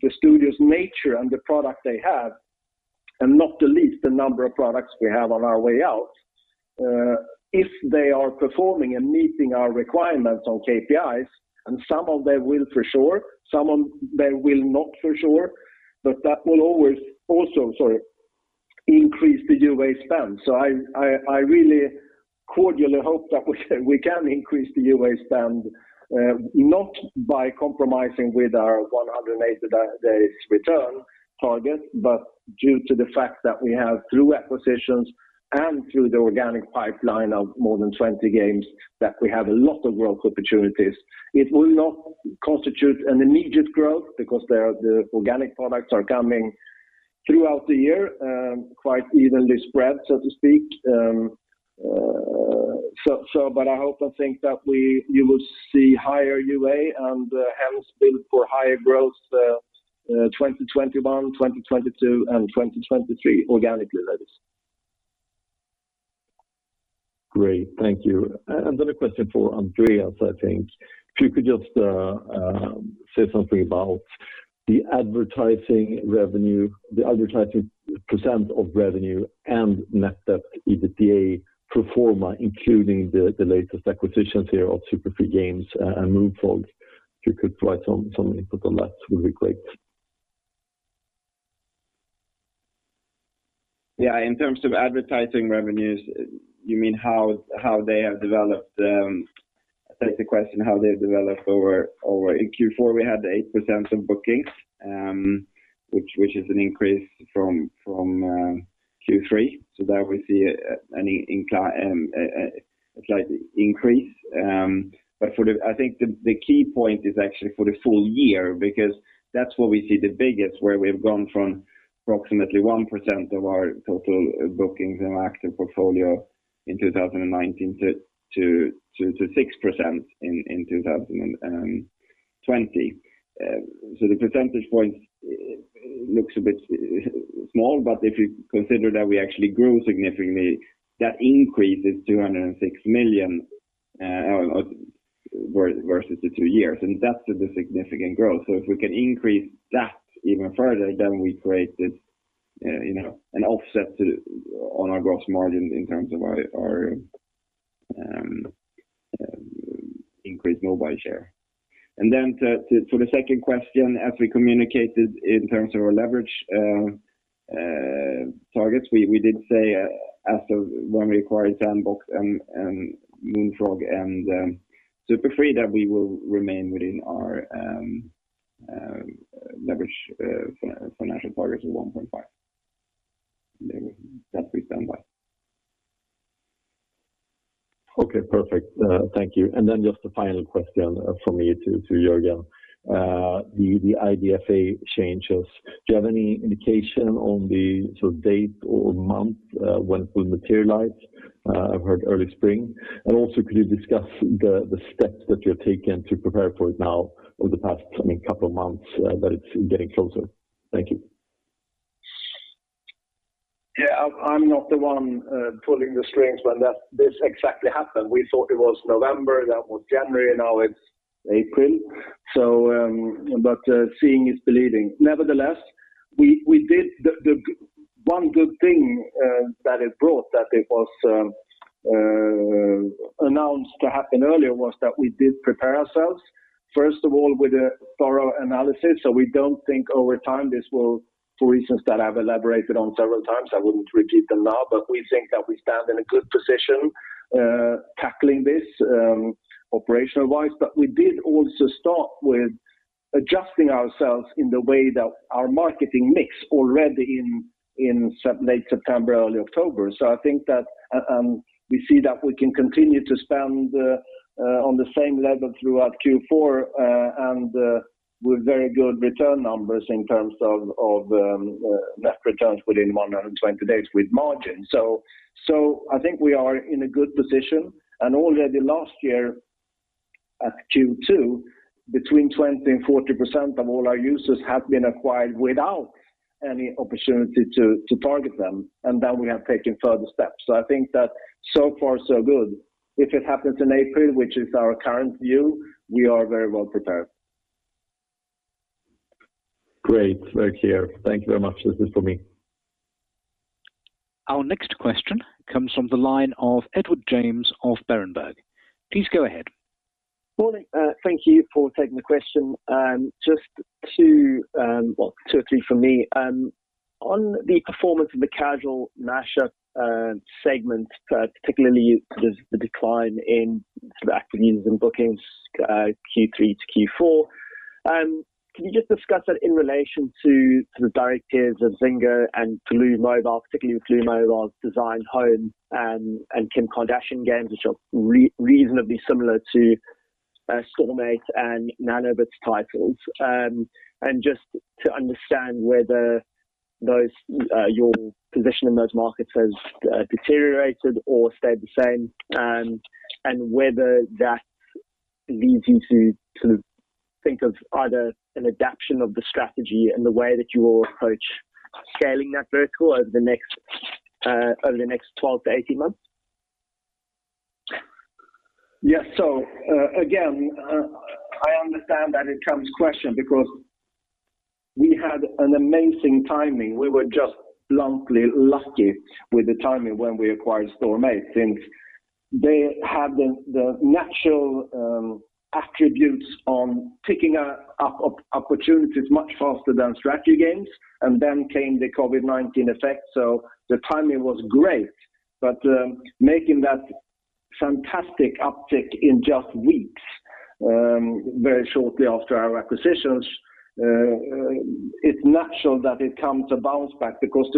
The studios' nature and the product they have, and not the least, the number of products we have on our way out. If they are performing and meeting our requirements on KPIs, and some of them will for sure, some of them will not for sure, but that will always also increase the UA spend. I really cordially hope that we can increase the UA spend, not by compromising with our 180 days return target, but due to the fact that we have, through acquisitions and through the organic pipeline of more than 20 games, that we have a lot of growth opportunities. It will not constitute an immediate growth because the organic products are coming throughout the year, quite evenly spread, so to speak. I hope and think that you will see higher UA and hence build for higher growth 2021, 2022, and 2023, organically that is. Great. Thank you. Another question for Andreas, I think. If you could just say something about the advertising revenue, the advertising percent of revenue and net debt, EBITDA pro forma, including the latest acquisitions here of Super Free Games and Moonfrog. If you could provide some input on that would be great. In terms of advertising revenues, you mean how they have developed? That is the question, how they've developed. In Q4, we had 8% of bookings, which is an increase from Q3, so there we see a slight increase. I think the key point is actually for the full year, because that's where we see the biggest, where we've gone from approximately 1% of our total bookings and active portfolio in 2019 to 6% in 2020. The percentage point looks a bit small, but if you consider that we actually grew significantly, that increase is 206 million versus the two years, and that's the significant growth. If we can increase that even further, then we create an offset on our gross margin in terms of our increased mobile share. For the second question, as we communicated in terms of our leverage targets, we did say as of when we acquired Sandbox and Moonfrog and Super Free, that we will remain within our leverage financial targets of 1.5. That we stand by. Okay, perfect. Thank you. Just a final question from me to Jörgen. The IDFA changes, do you have any indication on the date or month when it will materialize? I've heard early spring. Could you discuss the steps that you're taking to prepare for it now over the past couple of months, that it's getting closer? Thank you. Yeah, I'm not the one pulling the strings, but this exactly happened. We thought it was November, then it was January, now it's April. Seeing is believing. We don't think over time this will, for reasons that I've elaborated on several times, I wouldn't repeat them now, but we think that we stand in a good position tackling this operational-wise. We did also start with adjusting ourselves in the way that our marketing mix already in late September, early October. I think that we see that we can continue to spend on the same level throughout Q4, and with very good return numbers in terms of net returns within 120 days with margin. I think we are in a good position, and already last year at Q2, between 20% and 40% of all our users have been acquired without any opportunity to target them. We have taken further steps. I think that so far so good. If it happens in April, which is our current view, we are very well prepared. Great. Very clear. Thank you very much. That is it for me. Our next question comes from the line of Edward James of Berenberg. Please go ahead. Morning. Thank you for taking the question. Just two or three from me. On the performance of the Casual Mash-up segment, particularly the decline in sort of active users and bookings Q3-Q4, can you just discuss that in relation to the directives of Zynga and Glu Mobile, particularly with Glu Mobile's Design Home and Kim Kardashian games, which are reasonably similar to Storm8 and Nanobit's titles? Just to understand whether your position in those markets has deteriorated or stayed the same, and whether that leads you to think of either an adaptation of the strategy and the way that you will approach scaling that vertical over the next 12-18 months? Yes. Again, I understand that it comes question because we had an amazing timing. We were just bluntly lucky with the timing when we acquired Storm8 since they had the natural attributes on picking up opportunities much faster than strategy games, then came the COVID-19 effect, the timing was great. Making that fantastic uptick in just weeks, very shortly after our acquisitions, it's natural that it comes a bounce back because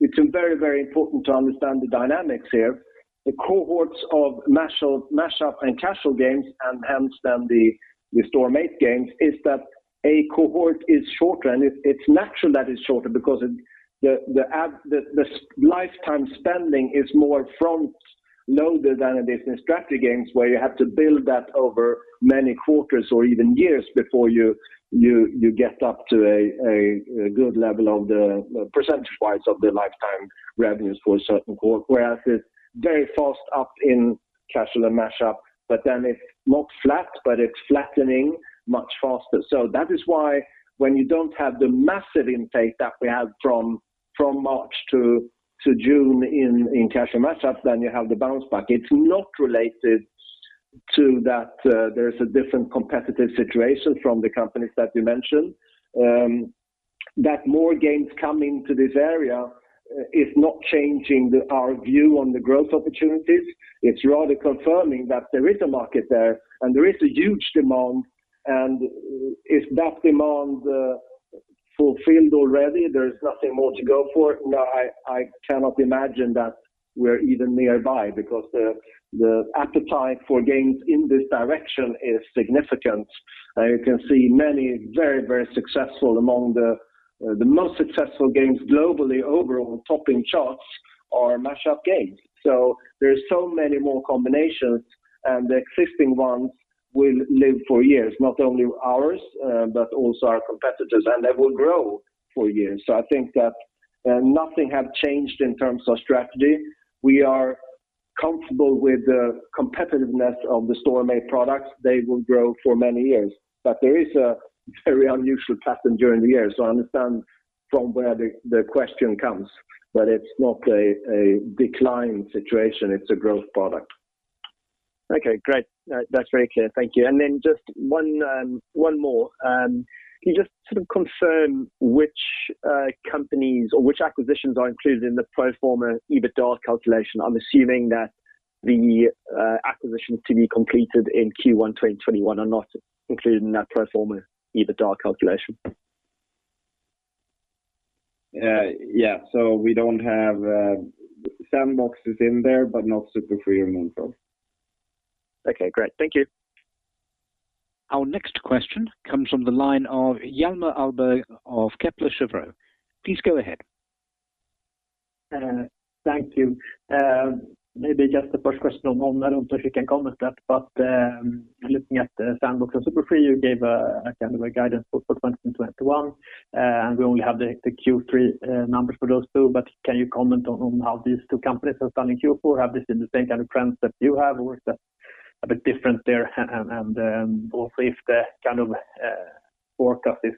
it's very important to understand the dynamics here. The cohorts of mashup and casual games, and hence then the Storm8 games, is that a cohort is shorter and it's natural that it's shorter because the lifetime spending is more front-loaded than it is in strategy games where you have to build that over many quarters or even years before you get up to a good level of the percentage-wise of the lifetime revenues for a certain cohort, whereas it's very fast up in casual and mashup, but then it's not flat, but it's flattening much faster. That is why when you don't have the massive intake that we had from March to June in casual mashups, then you have the bounce back. It's not related to that there is a different competitive situation from the companies that you mentioned. That more games coming to this area is not changing our view on the growth opportunities. It's rather confirming that there is a market there and there is a huge demand. Is that demand fulfilled already? There's nothing more to go for it? No, I cannot imagine that we're even nearby because the appetite for games in this direction is significant. You can see many very successful among the most successful games globally overall topping charts are mashup games. There are so many more combinations, and the existing ones will live for years, not only ours, but also our competitors, and they will grow for years. I think that nothing has changed in terms of strategy. We are comfortable with the competitiveness of the Storm8 products. They will grow for many years. There is a very unusual pattern during the year, so I understand from where the question comes, but it's not a decline situation, it's a growth product. Okay, great. That's very clear. Thank you. Just one more. Can you just sort of confirm which companies or which acquisitions are included in the pro forma EBITDA calculation? I'm assuming that the acquisitions to be completed in Q1 2021 are not included in that pro forma EBITDA calculation. Yeah. Sandbox is in there, but not Super Free and Moonfrog. Okay, great. Thank you. Our next question comes from the line of Hjalmar Ahlberg of Kepler Cheuvreux. Please go ahead. Thank you. Maybe just the first question on, I don't know if you can comment that, but looking at Sandbox and Super Free, you gave a kind of a guidance for 2021, and we only have the Q3 numbers for those two, but can you comment on how these two companies have done in Q4? Have they seen the same kind of trends that you have, or is that a bit different there, and also if the kind of forecast is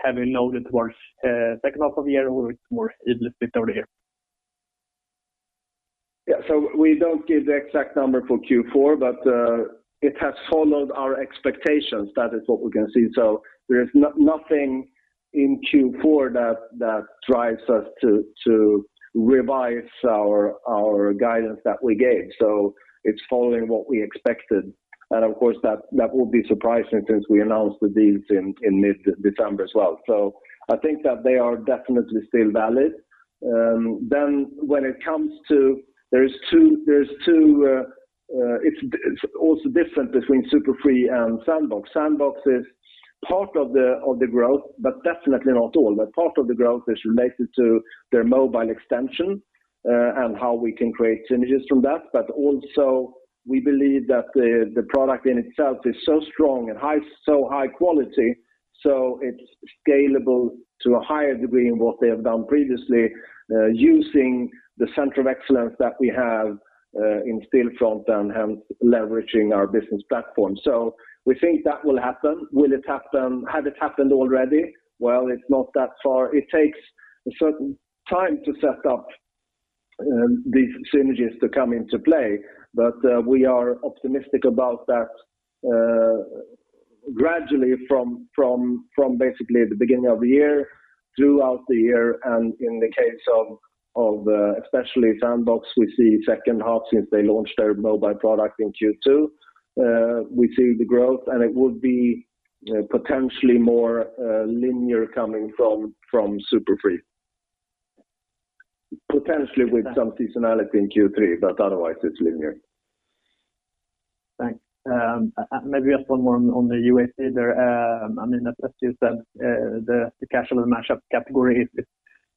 heavily loaded towards second half of the year or it's more evenly distributed? We don't give the exact number for Q4, but it has followed our expectations. That is what we're going to see. There is nothing in Q4 that drives us to revise our guidance that we gave. It's following what we expected. Of course, that will be surprising since we announced the deals in mid-December as well. I think that they are definitely still valid. It's also different between Super Free and Sandbox. Sandbox is part of the growth, but definitely not all, but part of the growth is related to their mobile extension, and how we can create synergies from that. Also we believe that the product in itself is so strong and so high quality, so it's scalable to a higher degree in what they have done previously, using the center of excellence that we have in Stillfront and hence leveraging our business platform. We think that will happen. Had it happened already? Well, it's not that far. It takes a certain time to set up these synergies to come into play. We are optimistic about that gradually from basically the beginning of the year, throughout the year, and in the case of especially Sandbox, we see second half since they launched their mobile product in Q2, we see the growth and it would be potentially more linear coming from Super Free. Potentially with some seasonality in Q3, but otherwise it's linear. Thanks. Maybe just one more on the UA side there. As you said, the casual and mashup category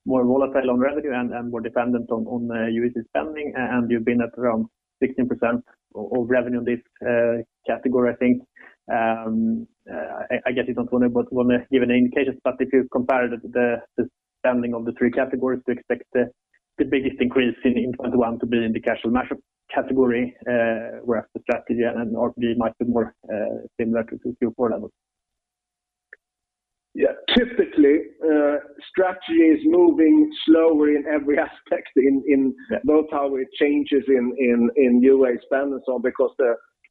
is more volatile on revenue and more dependent on UA spending, and you've been at around 16% of revenue in this category, I think. I get you don't want to give any indications, if you compare the spending of the three categories, do you expect the biggest increase in 2021 to be in the casual mashup category, whereas the strategy and RPG might be more similar to Q4 levels? Yeah. Typically, strategy is moving slower in every aspect, in both how it changes in UA spend and so on, because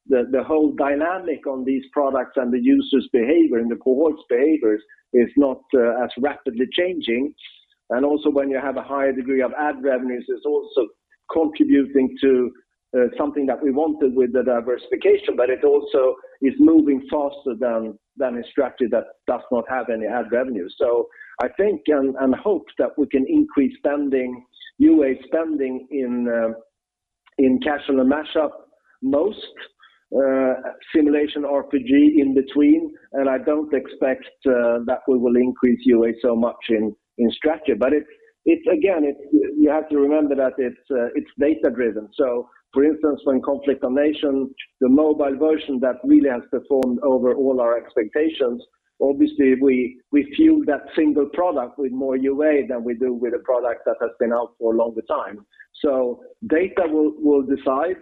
the whole dynamic on these products and the user's behavior and the cohort's behaviors is not as rapidly changing. Also when you have a higher degree of ad revenues, it's also contributing to something that we wanted with the diversification, but it also is moving faster than a strategy that does not have any ad revenue. I think and hope that we can increase UA spending in casual and mashup most, simulation RPG in between, and I don't expect that we will increase UA so much in strategy. Again, you have to remember that it's data-driven. For instance, when Conflict of Nations, the mobile version that really has performed over all our expectations, obviously we fuel that single product with more UA than we do with a product that has been out for a longer time. Data will decide,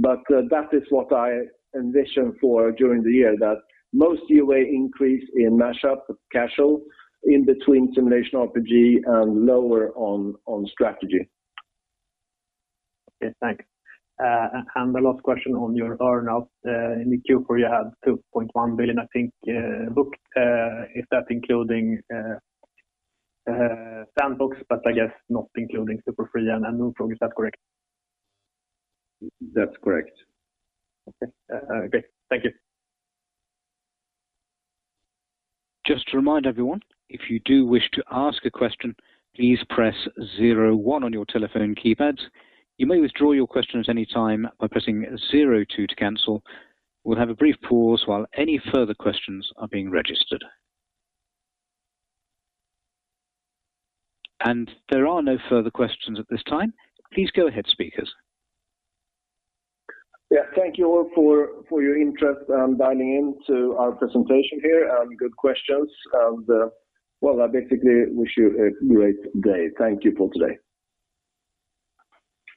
but that is what I envision for during the year, that most UA increase in mashup, casual, in between simulation RPG, and lower on strategy. Okay, thanks. The last question on your earn-out. In the Q4 you had 2.1 billion, I think, booked. Is that including Sandbox, but I guess not including Super Free and Moonfrog. Is that correct? That's correct. Okay. Great. Thank you. Just to remind everyone, if you do wish to ask a question, please press zero one on your telephone keypads. You may withdraw your question at any time by pressing zero two to cancel. We'll have a brief pause while any further questions are being registered. There are no further questions at this time. Please go ahead, speakers. Yeah. Thank you all for your interest and dialing in to our presentation here, and good questions. Well, I basically wish you a great day. Thank you for today.